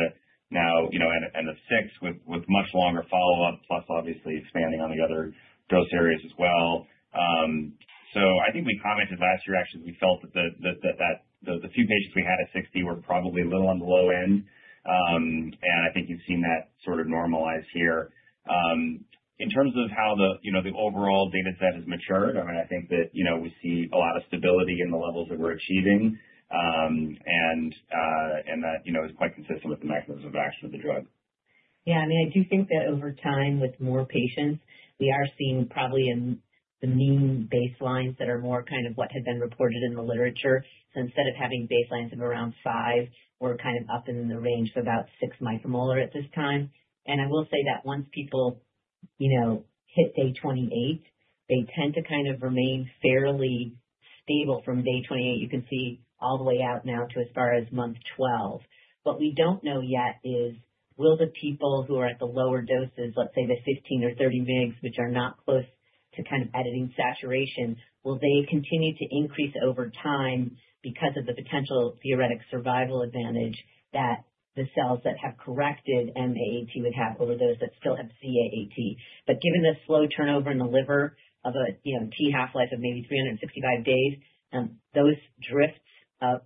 now, you know, n=6 with much longer follow-up, plus obviously expanding on the other dose areas as well. I think we commented last year, actually, we felt that the few patients we had at 60 were probably a little on the low end. I think you've seen that sort of normalize here. In terms of how the you know the overall data set has matured, I mean, I think that you know we see a lot of stability in the levels that we're achieving, and that you know is quite consistent with the mechanism of action of the drug. Yeah. I mean, I do think that over time, with more patients, we are seeing probably in the mean baselines that are more kind of what had been reported in the literature. Instead of having baselines of around five, we're kind of up in the range of about 6 μM at this time. I will say that once people, you know, hit day 28, they tend to kind of remain fairly stable from day 28. You can see all the way out now to as far as month 12. What we don't know yet is will the people who are at the lower doses, let's say the 15 or 30 mg, which are not close to kind of editing saturation, will they continue to increase over time because of the potential theoretic survival advantage that the cells that have corrected M-AAT would have over those that still have Z-AAT? Given the slow turnover in the liver of a, you know, t half-life of maybe 365 days, those drifts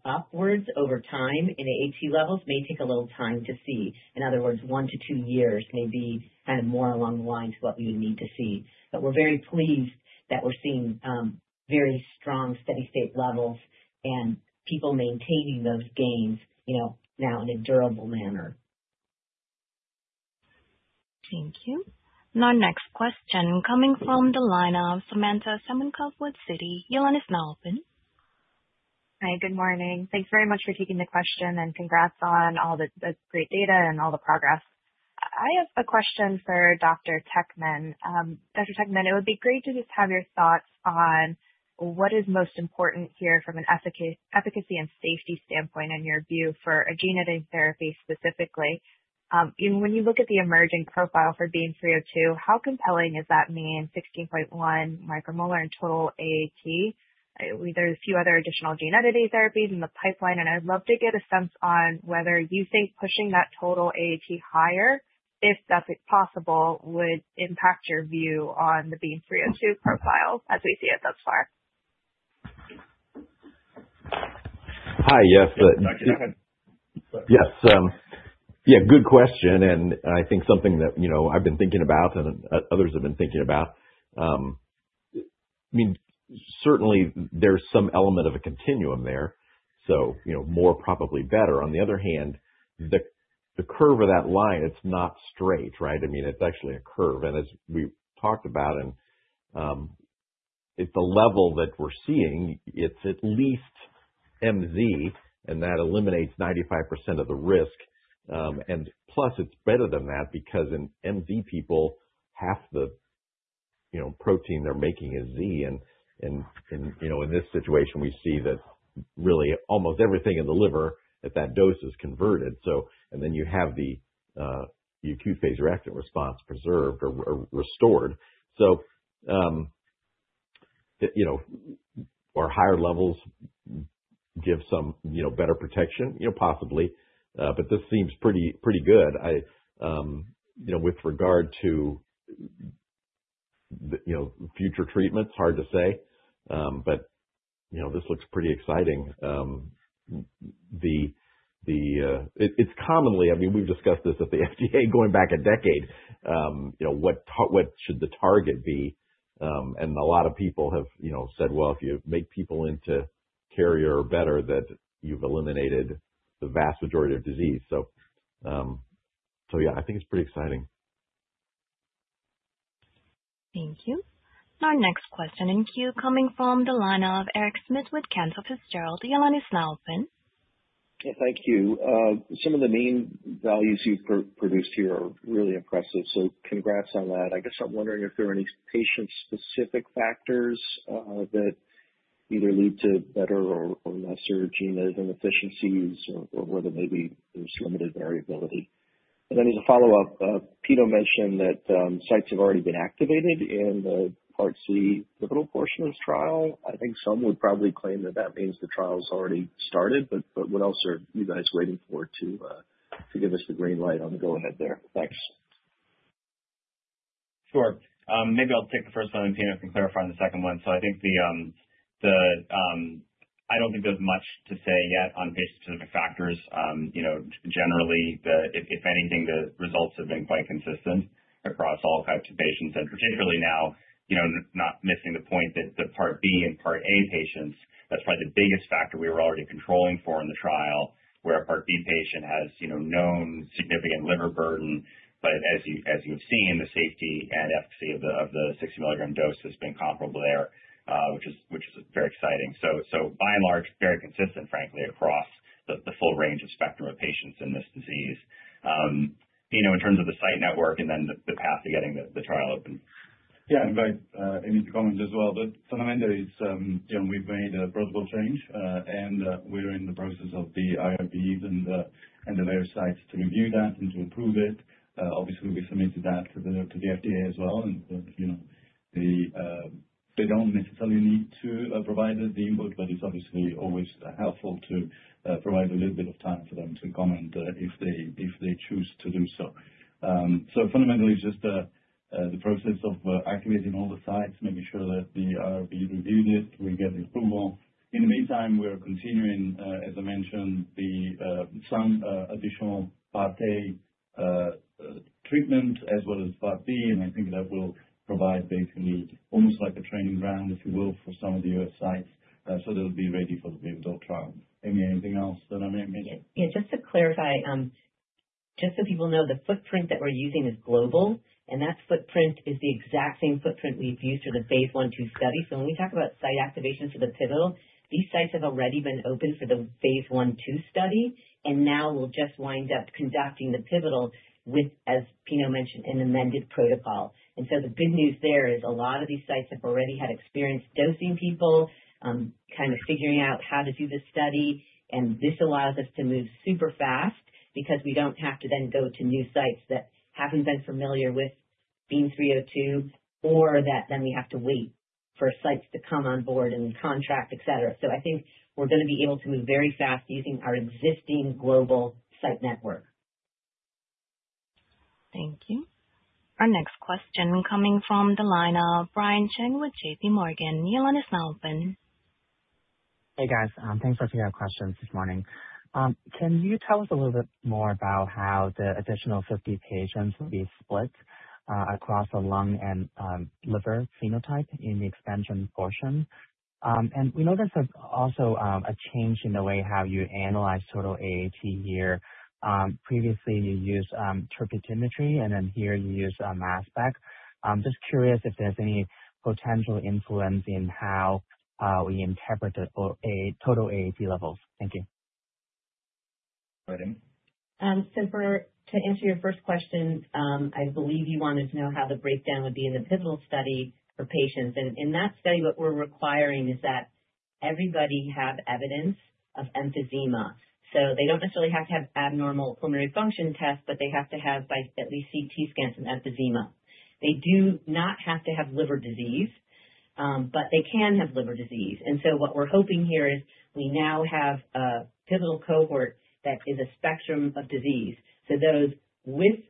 upwards over time in AAT levels may take a little time to see. In other words, one to two years may be kind of more along the lines what we would need to see. We're very pleased that we're seeing very strong, steady state levels and people maintaining those gains, you know, now in a durable manner. Thank you. Our next question coming from the line of Samantha Semenkow with Citi. Your line is now open. Hi, good morning. Thanks very much for taking the question, and congrats on all the great data and all the progress. I have a question for Dr. Teckman. Dr. Teckman, it would be great to just have your thoughts on what is most important here from an efficacy and safety standpoint in your view for a gene editing therapy specifically. When you look at the emerging profile for BEAM-302, how compelling is that mean 16.1 μM in total AAT? There's a few other additional gene editing therapies in the pipeline, and I'd love to get a sense on whether you think pushing that total AAT higher, if that's possible, would impact your view on the BEAM-302 profile as we see it thus far. Hi. Yes. Go ahead. Yes. Yeah, good question, and I think something that, you know, I've been thinking about and others have been thinking about. I mean, certainly there's some element of a continuum there, so, you know, more probably better. On the other hand, the curve of that line, it's not straight, right? I mean, it's actually a curve. As we've talked about, at the level that we're seeing, it's at least MZ, and that eliminates 95% of the risk. Plus it's better than that because in MZ people, half the, you know, protein they're making is Z. You know, in this situation, we see that really almost everything in the liver at that dose is converted. You have the acute phase reactant response preserved or restored. You know, do higher levels give some, you know, better protection? You know, possibly. This seems pretty good. I, you know, with regard to, you know, future treatments, hard to say. This looks pretty exciting. I mean, we've discussed this at the FDA going back a decade, you know, what should the target be? A lot of people have, you know, said, "Well, if you make people into carrier or better, then you've eliminated the vast majority of disease." Yeah, I think it's pretty exciting. Thank you. Our next question in queue coming from the line of Eric Schmidt with Cantor Fitzgerald. Your line is now open. Yeah, thank you. Some of the mean values you've produced here are really impressive, so congrats on that. I guess I'm wondering if there are any patient-specific factors that either lead to better or lesser gene editing efficiencies or whether maybe there's limited variability. As a follow-up, Peter mentioned that sites have already been activated in the Part C pivotal portion of this trial. I think some would probably claim that means the trial's already started, but what else are you guys waiting for to give us the green light on the go ahead there? Thanks. Sure. Maybe I'll take the first one and Giuseppe can clarify on the second one. I think the I don't think there's much to say yet on patient-specific factors. You know, generally, if anything, the results have been quite consistent across all types of patients and particularly now, you know, not missing the point that the Part B and Part A patients, that's probably the biggest factor we were already controlling for in the trial, where a Part B patient has, you know, known significant liver burden. As you've seen, the safety and efficacy of the 60 mg dose has been comparable there, which is very exciting. By and large, very consistent, frankly, across the full range of spectrum of patients in this disease. You know, in terms of the site network and then the path to getting the trial open. Yeah. By Amy's comments as well, but fundamentally it's, you know, we've made a protocol change, and we're in the process of the IRBs and the various sites to review that and to approve it. Obviously, we submitted that to the FDA as well. You know, they don't necessarily need to provide the input, but it's obviously always helpful to provide a little bit of time for them to comment, if they choose to do so. Fundamentally just the process of activating all the sites, making sure that the IRB reviewed it, we get approval. In the meantime, we are continuing, as I mentioned, some additional Part A treatment as well as Part B. I think that will provide basically almost like a training ground, if you will, for some of the U.S. sites, so they'll be ready for the pivotal trial. Amy, anything else that I may have missed? Yeah. Just to clarify, just so people know, the footprint that we're using is global, and that footprint is the exact same footprint we've used for the phase I/II study. When we talk about site activation for the pivotal, these sites have already been open for the phase I/II study, and now we'll just wind up conducting the pivotal with, as Pino mentioned, an amended protocol. The good news there is a lot of these sites have already had experience dosing people, kind of figuring out how to do this study, and this allows us to move super-fast because we don't have to then go to new sites that haven't been familiar with BEAM-302 or that then we have to wait for sites to come on board and contract, etc. I think we're gonna be able to move very fast using our existing global site network. Thank you. Our next question coming from the line of Brian Cheng with JPMorgan. Your line is now open. Hey, guys. Thanks for taking our questions this morning. Can you tell us a little bit more about how the additional 50 patients will be split across the lung and liver phenotype in the expansion portion? We know there's also a change in the way how you analyze total AAT here. Previously you used turbidimetry, and then here you use mass spec. Just curious if there's any potential influence in how we interpret the total AAT levels. Thank you. Go ahead, Amy. To answer your first question, I believe you wanted to know how the breakdown would be in the pivotal study for patients. In that study, what we're requiring is that everybody have evidence of emphysema. They don't necessarily have to have abnormal pulmonary function tests, but they have to have by at least CT scans and emphysema. They do not have to have liver disease, but they can have liver disease. What we're hoping here is we now have a pivotal cohort that is a spectrum of disease. Those with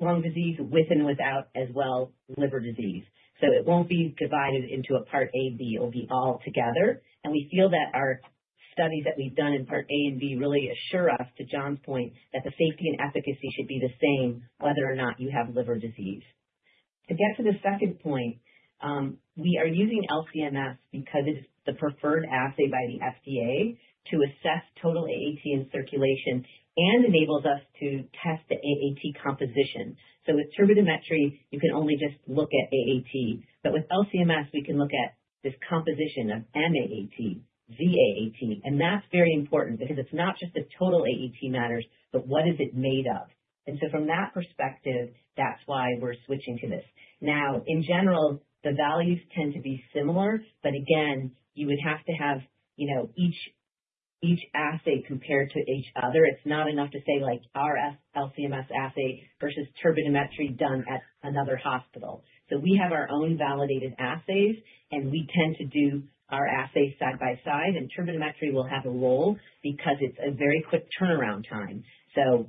lung disease, with and without as well liver disease. It won't be divided into a Part A/B. It will be all together. We feel that our studies that we've done in Part A and B really assure us, to John's point, that the safety and efficacy should be the same whether or not you have liver disease. To get to the second point, we are using LC-MS because it is the preferred assay by the FDA to assess total AAT in circulation and enables us to test the AAT composition. With turbidimetry you can only just look at AAT, but with LC-MS we can look at this composition of M-AAT, Z-AAT. That's very important because it's not just the total AAT matters, but what is it made of. From that perspective, that's why we're switching to this. Now, in general, the values tend to be similar, but again, you would have to have, you know, each assay compared to each other. It's not enough to say like our LC-MS assay versus turbidimetry done at another hospital. We have our own validated assays, and we tend to do our assays side by side. Turbidimetry will have a role because it's a very quick turnaround time.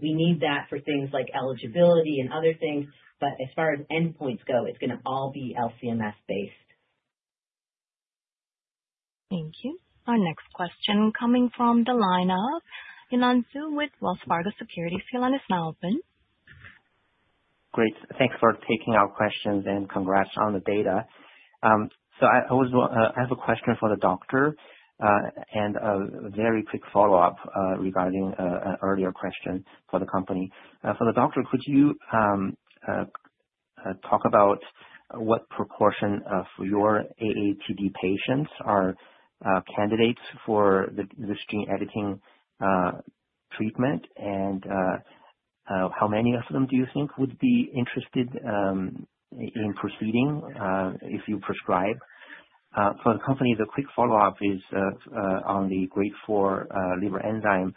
We need that for things like eligibility and other things, but as far as endpoints go, it's gonna all be LC-MS based. Thank you. Our next question coming from the line of Yilan Xu with Wells Fargo Securities. Your line is now open. Great. Thanks for taking our questions, and congrats on the data. I have a question for the doctor and a very quick follow-up regarding an earlier question for the company. For the doctor, could you talk about what proportion for your AATD patients are candidates for this gene editing treatment and how many of them do you think would be interested in proceeding if you prescribe? For the company, the quick follow-up is on the Grade 4 liver enzyme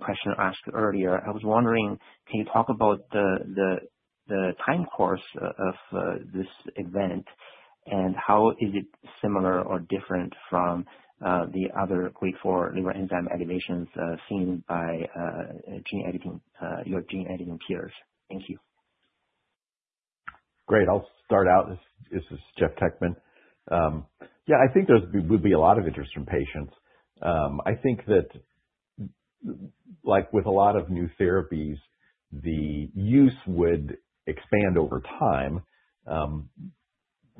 question asked earlier. I was wondering, can you talk about the time course of this event, and how is it similar or different from the other Grade 4 liver enzyme elevations seen by gene editing, your gene editing peers? Thank you. Great. I'll start out. This is Jeff Teckman. Yeah, I think there would be a lot of interest from patients. I think that, like with a lot of new therapies, the use would expand over time.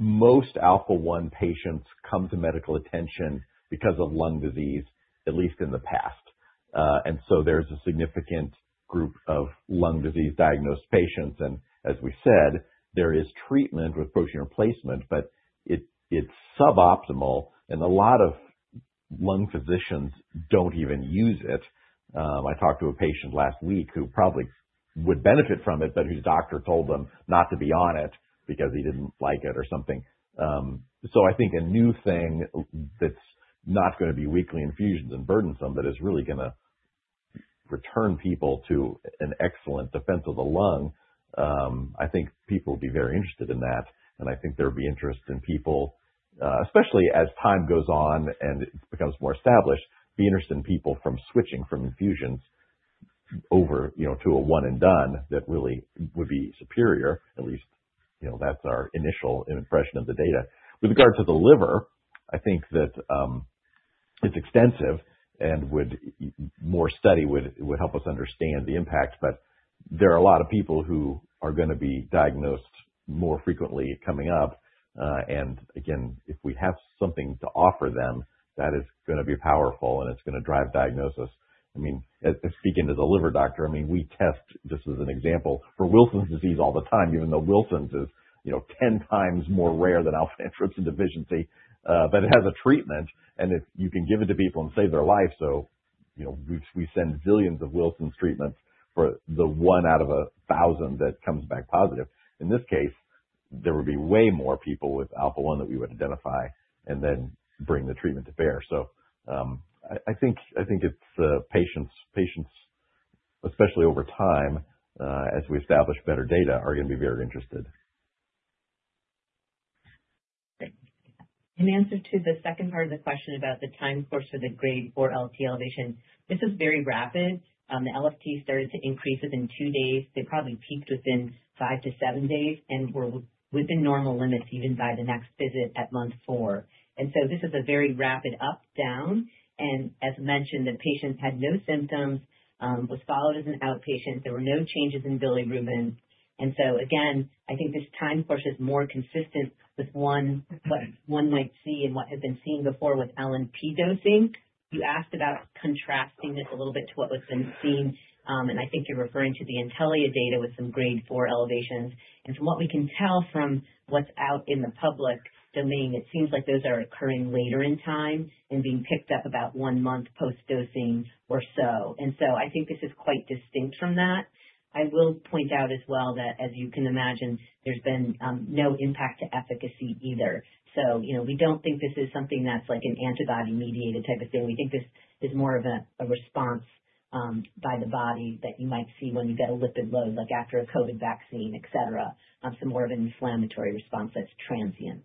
Most alpha-1 patients come to medical attention because of lung disease, at least in the past. There's a significant group of lung disease diagnosed patients and as we said, there is treatment with protein replacement, but it's suboptimal and a lot of lung physicians don't even use it. I talked to a patient last week who probably would benefit from it, but whose doctor told him not to be on it because he didn't like it or something. I think a new thing that's not gonna be weekly infusions and burdensome but is really gonna return people to an excellent defense of the lung. I think people would be very interested in that. I think there would be interest in people, especially as time goes on and it becomes more established, be interested in people from switching from infusions over, you know, to a one and done that really would be superior. At least, you know, that's our initial impression of the data. With regard to the liver, I think that it's extensive and more study would help us understand the impact. There are a lot of people who are gonna be diagnosed more frequently coming up. And again, if we have something to offer them, that is gonna be powerful and it's gonna drive diagnosis. I mean, speaking to the liver doctor, I mean, we test, just as an example, for Wilson's disease all the time, even though Wilson's is, you know, 10x more rare than alpha-1 antitrypsin deficiency. It has a treatment, and if you can give it to people and save their life, you know, we send zillions of Wilson's treatments for the one out of 1,000 that comes back positive. In this case, there would be way more people with alpha-1 that we would identify and then bring the treatment to bear. I think it's the patients, especially over time, as we establish better data, are gonna be very interested. In answer to the second part of the question about the time course for the Grade 4 ALT elevation, this is very rapid. The ALT started to increase within two days. They probably peaked within five to seven days and were within normal limits even by the next visit at month four. This is a very rapid up down. As mentioned, the patients had no symptoms, was followed as an outpatient. There were no changes in bilirubin. Again, I think this time course is more consistent with what one might see and what had been seen before with LNP dosing. You asked about contrasting it a little bit to what was being seen, and I think you're referring to the Intellia data with some Grade 4 elevations. From what we can tell from what's out in the public domain, it seems like those are occurring later in time and being picked up about one month post-dosing or so. I think this is quite distinct from that. I will point out as well that as you can imagine, there's been no impact to efficacy either. You know, we don't think this is something that's like an antibody-mediated type of thing. We think this is more of a response by the body that you might see when you get a lipid load, like after a COVID vaccine, et cetera. More of an inflammatory response that's transient.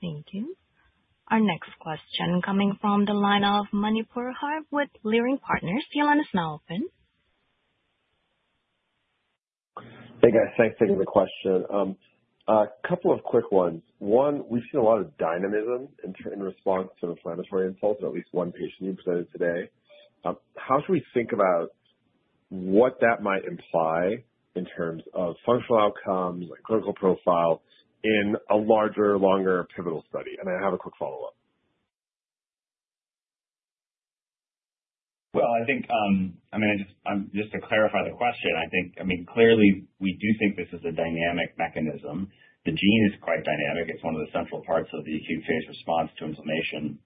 Thank you. Our next question coming from the line of Mani Foroohar with Leerink Partners. Your line is now open. Hey, guys. Thanks for the question. A couple of quick ones. One, we've seen a lot of dynamism in response to inflammatory insults in at least one patient you presented today. How should we think about what that might imply in terms of functional outcomes, like clinical profile in a larger, longer pivotal study? I have a quick follow-up. Well, I think I mean just to clarify the question. I mean, clearly, we do think this is a dynamic mechanism. The gene is quite dynamic. It's one of the central parts of the acute phase response to inflammation.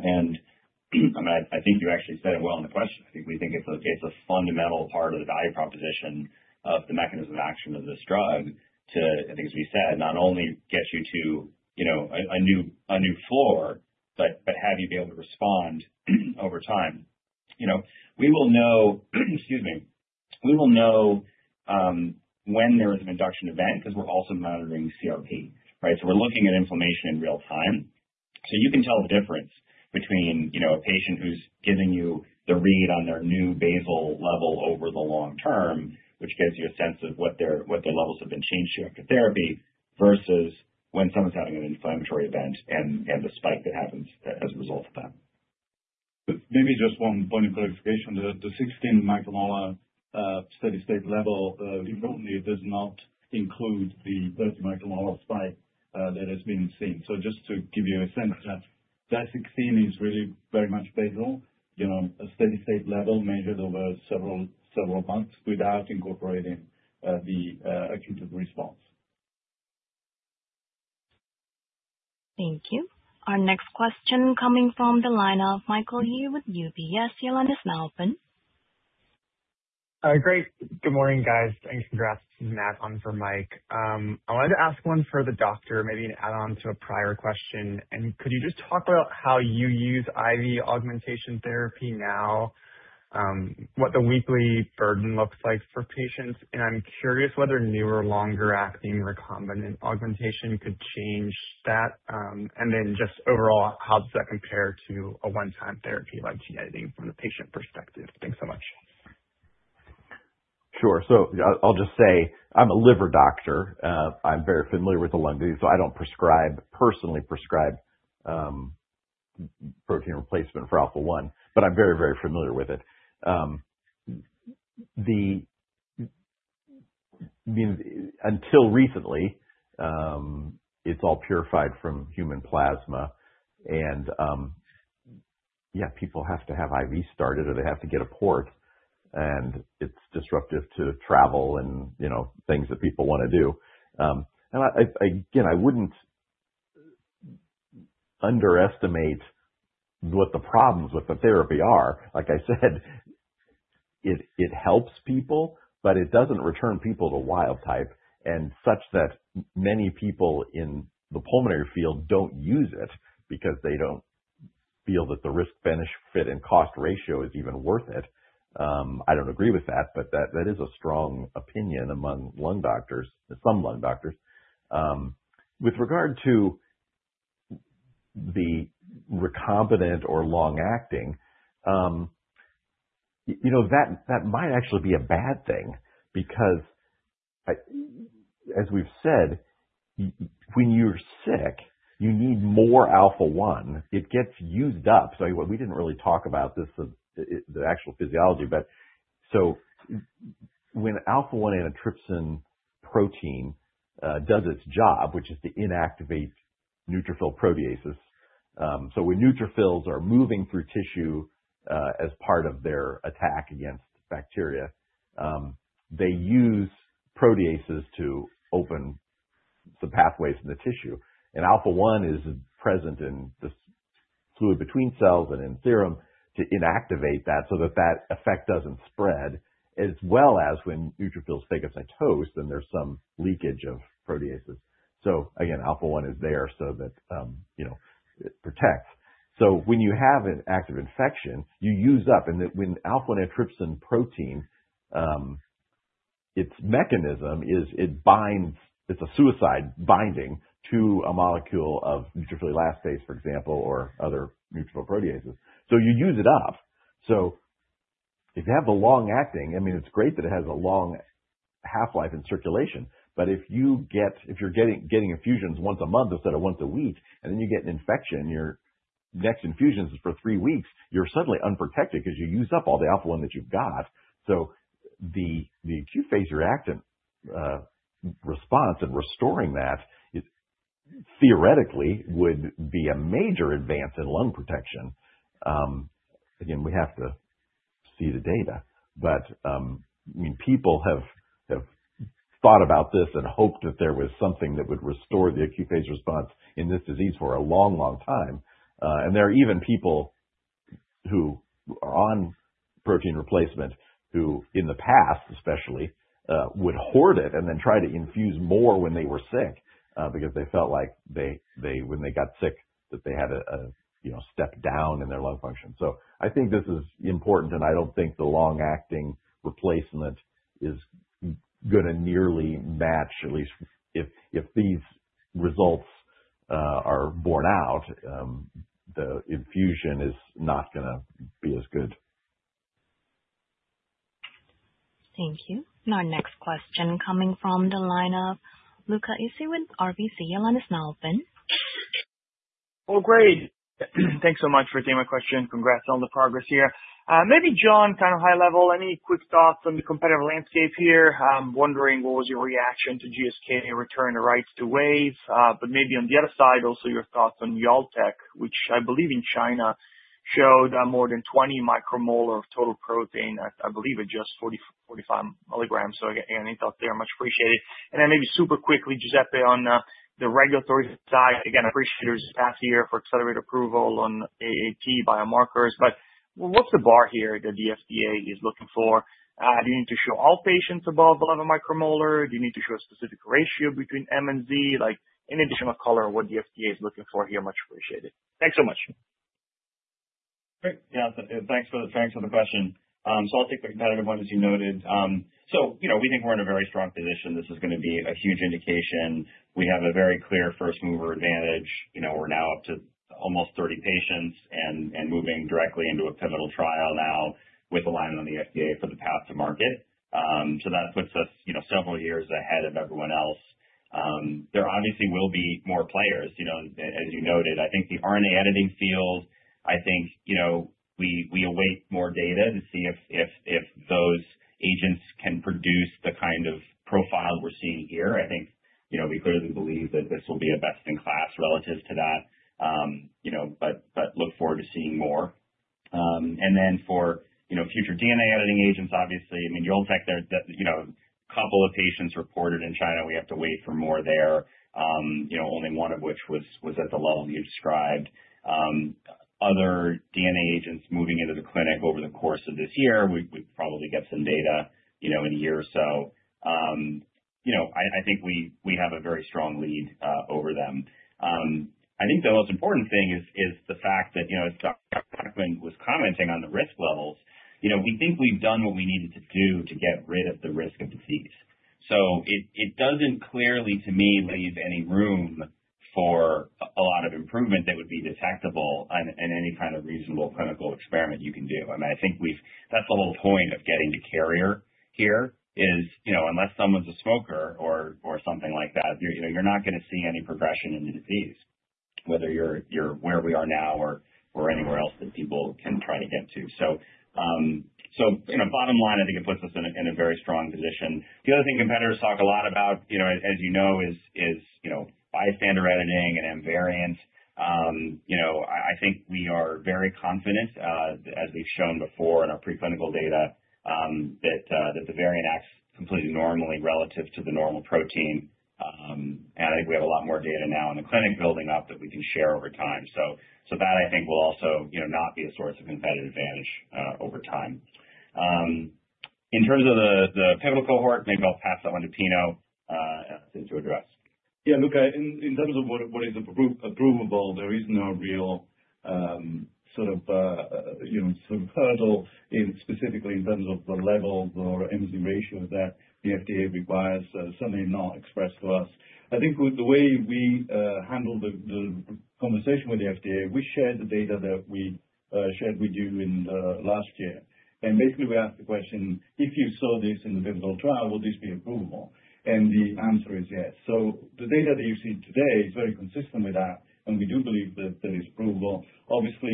I think you actually said it well in the question. I think we think it's a fundamental part of the value proposition of the mechanism of action of this drug to, I think as we said, not only get you to, you know, a new floor, but have you be able to respond over time. You know, we will know when there is an induction event because we're also monitoring CRP, right? So, we're looking at inflammation in real time. You can tell the difference between, you know, a patient who's giving you the read on their new basal level over the long term, which gives you a sense of what their levels have been changed to after therapy, versus when someone's having an inflammatory event and the spike that happens as a result of that. Maybe just one point of clarification. The 16 μM steady-state level importantly does not include the 30 μM spike that has been seen. Just to give you a sense that that 16 μM is really very much basal, you know, a steady-state level measured over several months without incorporating the acute response. Thank you. Our next question is coming from the line of Michael Yee with UBS. Your line is now open. Great. Good morning, guys, and congrats. Matt on for Mike. I wanted to ask one for the doctor, maybe an add-on to a prior question. Could you just talk about how you use IV augmentation therapy now? What the weekly burden looks like for patients. I'm curious whether newer, longer-acting recombinant augmentation could change that. Then just overall, how does that compare to a one-time therapy like base editing from the patient perspective? Thanks so much. Sure. I'll just say I'm a liver doctor. I'm very familiar with the lung disease, so I don't personally prescribe protein replacement for alpha-1, but I'm very familiar with it. Until recently, it's all purified from human plasma and, yeah, people have to have IV started or they have to get a port and it's disruptive to travel and, you know, things that people wanna do. I again wouldn't underestimate what the problems with the therapy are. Like I said, it helps people, but it doesn't return people to wild type and such that many people in the pulmonary field don't use it because they don't feel that the risk-benefit and cost ratio is even worth it. I don't agree with that, but that is a strong opinion among lung doctors, some lung doctors. With regard to the recombinant or long-acting, you know, that might actually be a bad thing because as we've said, when you're sick you need more alpha-1. It gets used up. We didn't really talk about this, the actual physiology. When alpha-1 antitrypsin protein does its job, which is to inactivate neutrophil proteases. When neutrophils are moving through tissue, as part of their attack against bacteria, they use proteases to open some pathways in the tissue. Alpha-1 is present in this fluid between cells and in serum to inactivate that, so that that effect doesn't spread, as well as when neutrophils phagocytose and there's some leakage of proteases. Again, alpha-1 is there so that it protects. When you have an active infection, you use up the alpha-1 antitrypsin protein. Its mechanism is it binds, it's a suicide binding to a molecule of neutrophil elastase, for example, or other neutrophil proteases. You use it up. If you have the long-acting, I mean, it's great that it has a long half-life in circulation, but if you're getting infusions once a month instead of once a week and then you get an infection, your next infusion is for three weeks, you're suddenly unprotected 'cause you used up all the alpha-1 that you've got. The acute phase response and restoring that theoretically would be a major advance in lung protection. Again, we have to see the data, but I mean, people have thought about this and hoped that there was something that would restore the acute phase response in this disease for a long, long time. There are even people who are on protein replacement who in the past especially would hoard it and then try to infuse more when they were sick because they felt like they when they got sick that they had a you know step down in their lung function. I think this is important, and I don't think the long-acting replacement is gonna nearly match, at least if these results are borne out the infusion is not gonna be as good. Thank you. Our next question coming from the line of Luca Issi with RBC. Your line is now open. Well, great. Thanks so much for taking my question. Congrats on the progress here. Maybe, John, kind of high level, any quick thoughts on the competitive landscape here? I'm wondering what was your reaction to GSK returning the rights to Wave. Maybe on the other side also your thoughts on Yoltech, which I believe in China showed more than 20 μM of total protein at, I believe, at just 40 mg-45 mg. Again, any thoughts there are much appreciated. Maybe super quickly, Giuseppe, on the regulatory side, again, appreciate your staff here for accelerated approval on AAT biomarkers. What's the bar here that the FDA is looking for? Do you need to show all patients above 11 μM? Do you need to show a specific ratio between M and Z? Like, any additional color on what the FDA is looking for here, much appreciated. Thanks so much. Great. Yeah. Thanks for the question. I'll take the competitive one, as you noted. You know, we think we're in a very strong position. This is gonna be a huge indication. We have a very clear first mover advantage. You know, we're now up to almost 30 patients and moving directly into a pivotal trial now with alignment on the FDA for the path to market. That puts us, you know, several years ahead of everyone else. There obviously will be more players. You know, as you noted, I think the RNA editing field. I think, you know, we await more data and see if those agents can produce the kind of profile we're seeing here. I think, you know, we clearly believe that this will be a best in class relative to that. You know, look forward to seeing more. For future DNA editing agents, obviously, I mean, Yoltech there, the couple of patients reported in China, we have to wait for more there. You know, only one of which was at the level you described. Other DNA agents moving into the clinic over the course of this year, we'd probably get some data, you know, in a year or so. You know, I think we have a very strong lead over them. I think the most important thing is the fact that, you know, as Dr. Teckman was commenting on the risk levels, you know, we think we've done what we needed to do to get rid of the risk of disease. It doesn't clearly, to me, leave any room for a lot of improvement that would be detectable in any kind of reasonable clinical experiment you can do. I mean, that's the whole point of getting to carrier here is, you know, unless someone's a smoker or something like that, you know, you're not gonna see any progression in the disease, whether you're where we are now or anywhere else that people can try to get to. Bottom line, I think it puts us in a very strong position. The other thing competitors talk a lot about, you know, as you know, is bystander editing and invariant. You know, I think we are very confident, as we've shown before in our preclinical data, that the variant acts completely normally relative to the normal protein. I think we have a lot more data now in the clinic building up that we do share over time. That I think will also, you know, not be a source of competitive advantage over time. In terms of the pivotal cohort, maybe I'll pass that on to Pino to address. Yeah. Look, in terms of what is approvable, there is no real, sort of, you know, sort of hurdle specifically in terms of the level or MZ ratios that the FDA requires. Certainly not expressed to us. I think with the way we handle the conversation with the FDA, we shared the data that we shared with you in the last year, and basically we asked the question, "If you saw this in the pivotal trial, will this be approvable?" The answer is yes. The data that you see today is very consistent with that, and we do believe that that is approvable. Obviously,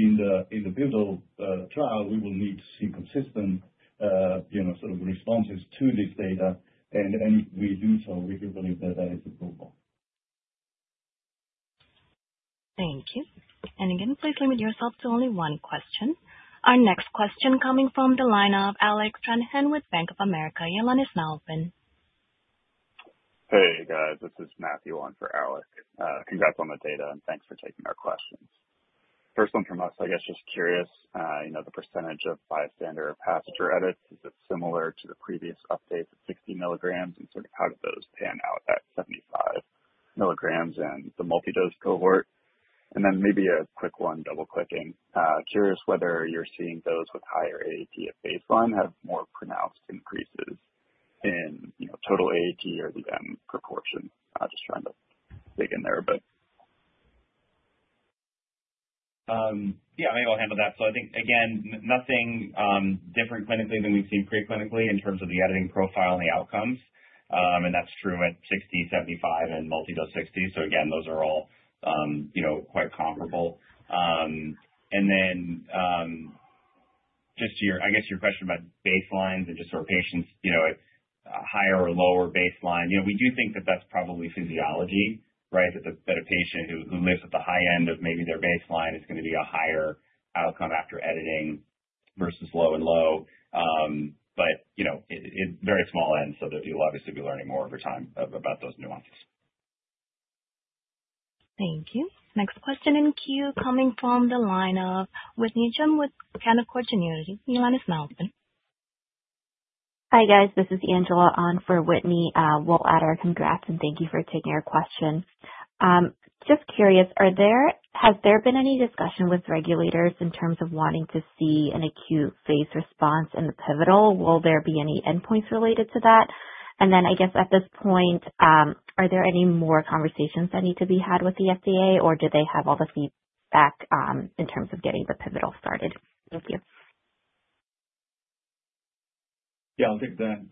in the pivotal trial, we will need to see consistent, you know, sort of responses to this data. If we do so, we do believe that that is approvable. Thank you. Again, please limit yourself to only one question. Our next question coming from the line of Alec Stranahan with Bank of America. Your line is now open. Hey, guys, this is Matthew on for Alec. Congrats on the data, and thanks for taking our questions. First one from us, I guess, just curious, you know, the percentage of bystander or passenger edits, is it similar to the previous update, the 60 mg? And sort of how did those pan out at 75 mg in the multi-dose cohort? And then maybe a quick one, double-clicking. Curious whether you're seeing those with higher AAT at baseline have more pronounced increases in, you know, total AAT or the M proportion. Just trying to dig in there a bit. Yeah, maybe I'll handle that. I think, again, nothing different clinically than we've seen pre-clinically in terms of the editing profile and the outcomes. That's true at 60, 75, and multi-dose 60. Again, those are all, you know, quite comparable. Just to your, I guess, your question about baselines and just sort of patients, you know, at a higher or lower baseline. You know, we do think that that's probably physiology, right? That a patient who lives at the high end of maybe their baseline is gonna be a higher outcome after editing versus low end. You know, it's very small n, so we'll obviously be learning more over time about those nuances. Thank you. Next question in queue coming from the line of Whitney Gim with Canaccord Genuity. Your line is now open. Hi, guys. This is Angela on for Whitney Gim. We'll add our congrats and thank you for taking our question. Just curious, has there been any discussion with regulators in terms of wanting to see an acute phase response in the pivotal? Will there be any endpoints related to that? I guess at this point, are there any more conversations that need to be had with the FDA, or do they have all the feedback in terms of getting the pivotal started? Thank you. Yeah, I'll take that.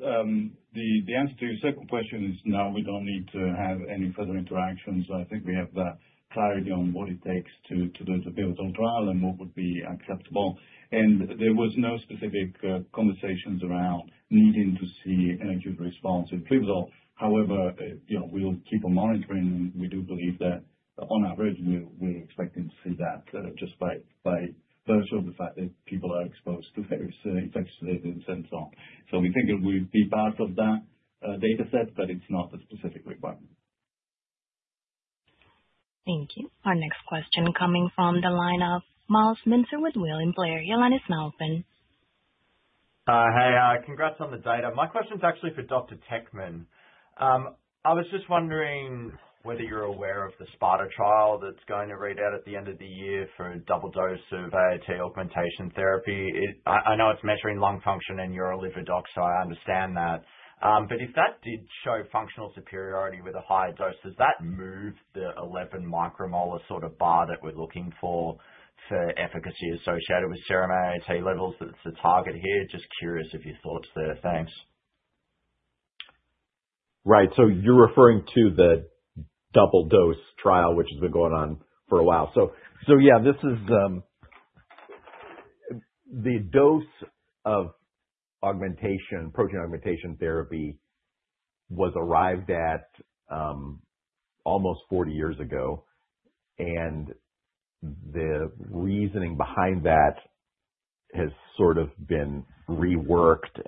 The answer to your second question is no, we don't need to have any further interactions. I think we have the clarity on what it takes to do the pivotal trial and what would be acceptable. There was no specific conversations around needing to see an acute response in pivotal. However, you know, we'll keep on monitoring, and we do believe that on average, we're expecting to see that, just by virtue of the fact that people are exposed to very severe infections and so on. We think it will be part of that data set, but it's not a specific requirement. Thank you. Our next question coming from the line of Myles Minter with William Blair. Your line is now open. Hey. Congrats on the data. My question's actually for Dr. Teckman. I was just wondering whether you're aware of the SPARTA trial that's going to read out at the end of the year for double dose of AAT augmentation therapy. I know it's measuring lung function and RV, DLCO, so I understand that. But if that did show functional superiority with a higher dose, does that move the 11 μM sort of bar that we're looking for efficacy associated with serum AAT levels that's the target here? Just curious of your thoughts there. Thanks. Right. You're referring to the double dose trial, which has been going on for a while. Yeah, this is the dose of augmentation, protein augmentation therapy was arrived at almost 40 years ago, and the reasoning behind that has sort of been reworked.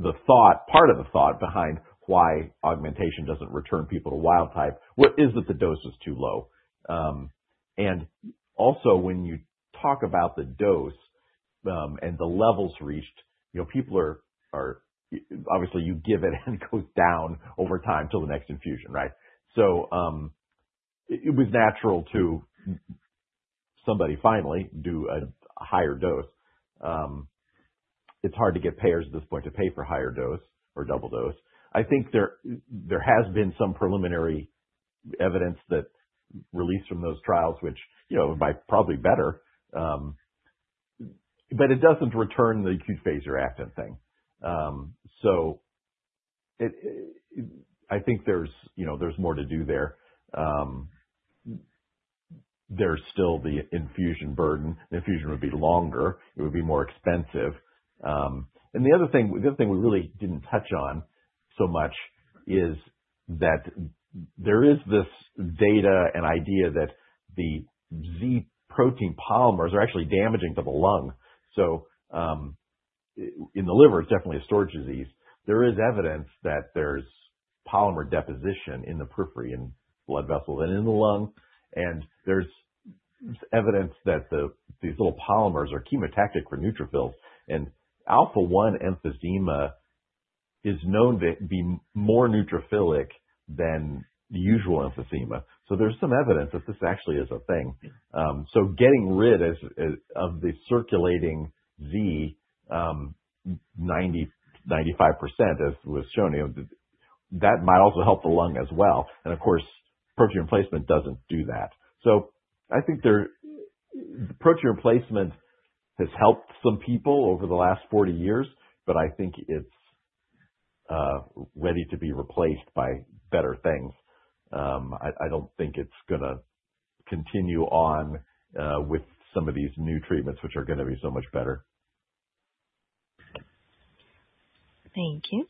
The thought, part of the thought behind why augmentation doesn't return people to wild type is that the dose was too low. Also when you talk about the dose, and the levels reached, you know, people are obviously you give it and it goes down over time till the next infusion, right? It was natural to m- Somebody finally did a higher dose. It's hard to get payers at this point to pay for higher dose or double dose. I think there has been some preliminary evidence that released from those trials which, you know, might probably better, but it doesn't return the acute phase reactant thing. I think there's more to do there. There's still the infusion burden. The infusion would be longer, it would be more expensive. The other thing we really didn't touch on so much is that there is this data and idea that the Z protein polymers are actually damaging to the lung. In the liver it's definitely a storage disease. There is evidence that there's polymer deposition in the periphery, in blood vessels and in the lung. There's evidence that the, these little polymers are chemotactic for neutrophils. Alpha-1 emphysema is known to be more neutrophilic than the usual emphysema. There's some evidence that this actually is a thing. Getting rid of the circulating Z 95%, as was shown here, that might also help the lung as well. Of course, protein replacement doesn't do that. I think protein replacement has helped some people over the last 40 years, but I think it's ready to be replaced by better things. I don't think it's gonna continue on with some of these new treatments which are gonna be so much better. Thank you.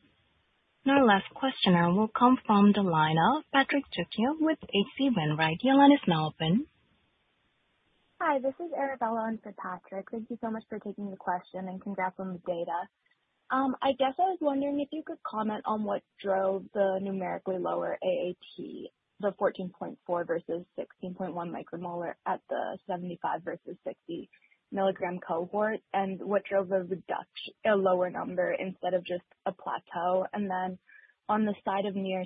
Our last questioner will come from the line of Patrick Trucchio with H.C. Wainwright. Your line is now open. Hi, this is Arabella in for Patrick. Thank you so much for taking the question and congrats on the data. I guess I was wondering if you could comment on what drove the numerically lower AAT, the 14.4 μM versus 16.1 μM at the 75 μM versus 60 mg cohort. What drove a lower number instead of just a plateau. Then on the side of near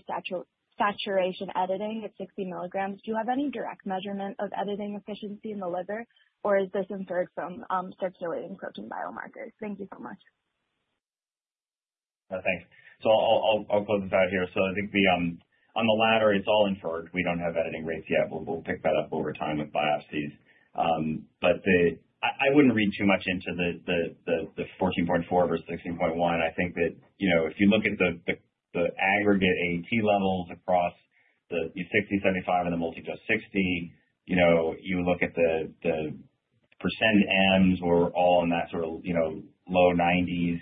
saturation editing at 60 mg, do you have any direct measurement of editing efficiency in the liver or is this inferred from circulating protein biomarkers? Thank you so much. Thanks. I'll close this out here. I think on the latter it's all inferred. We don't have editing rates yet. We'll pick that up over time with biopsies. But I wouldn't read too much into the 14.4 μM versus 16.1 μM. I think that, you know, if you look at the aggregate AAT levels across the 60 μM, 75 μM and the multi just 60 μM, you know, you look at the percent Ms were all in that sort of, you know, low 90s, 90,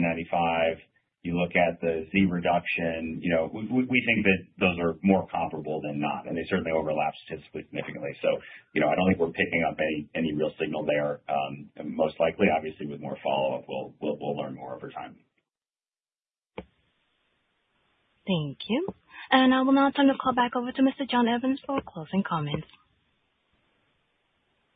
95. You look at the Z reduction. You know, we think that those are more comparable than not, and they certainly overlap statistically significantly. You know, I don't think we're picking up any real signal there. Most likely, obviously, with more follow-up, we'll learn more over time. Thank you. I will now turn the call back over to Mr. John Evans for closing comments.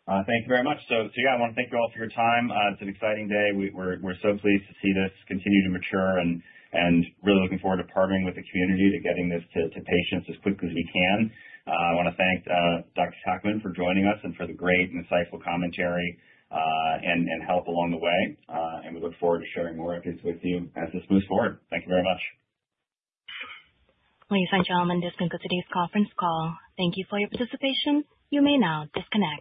Thank you very much. I want to thank you all for your time. It's an exciting day. We're so pleased to see this continue to mature and really looking forward to partnering with the community to getting this to patients as quickly as we can. I want to thank Dr. Teckman for joining us and for the great insightful commentary and help along the way, and we look forward to sharing more of this with you as this moves forward. Thank you very much. Ladies and gentlemen, this concludes today's conference call. Thank you for your participation. You may now disconnect.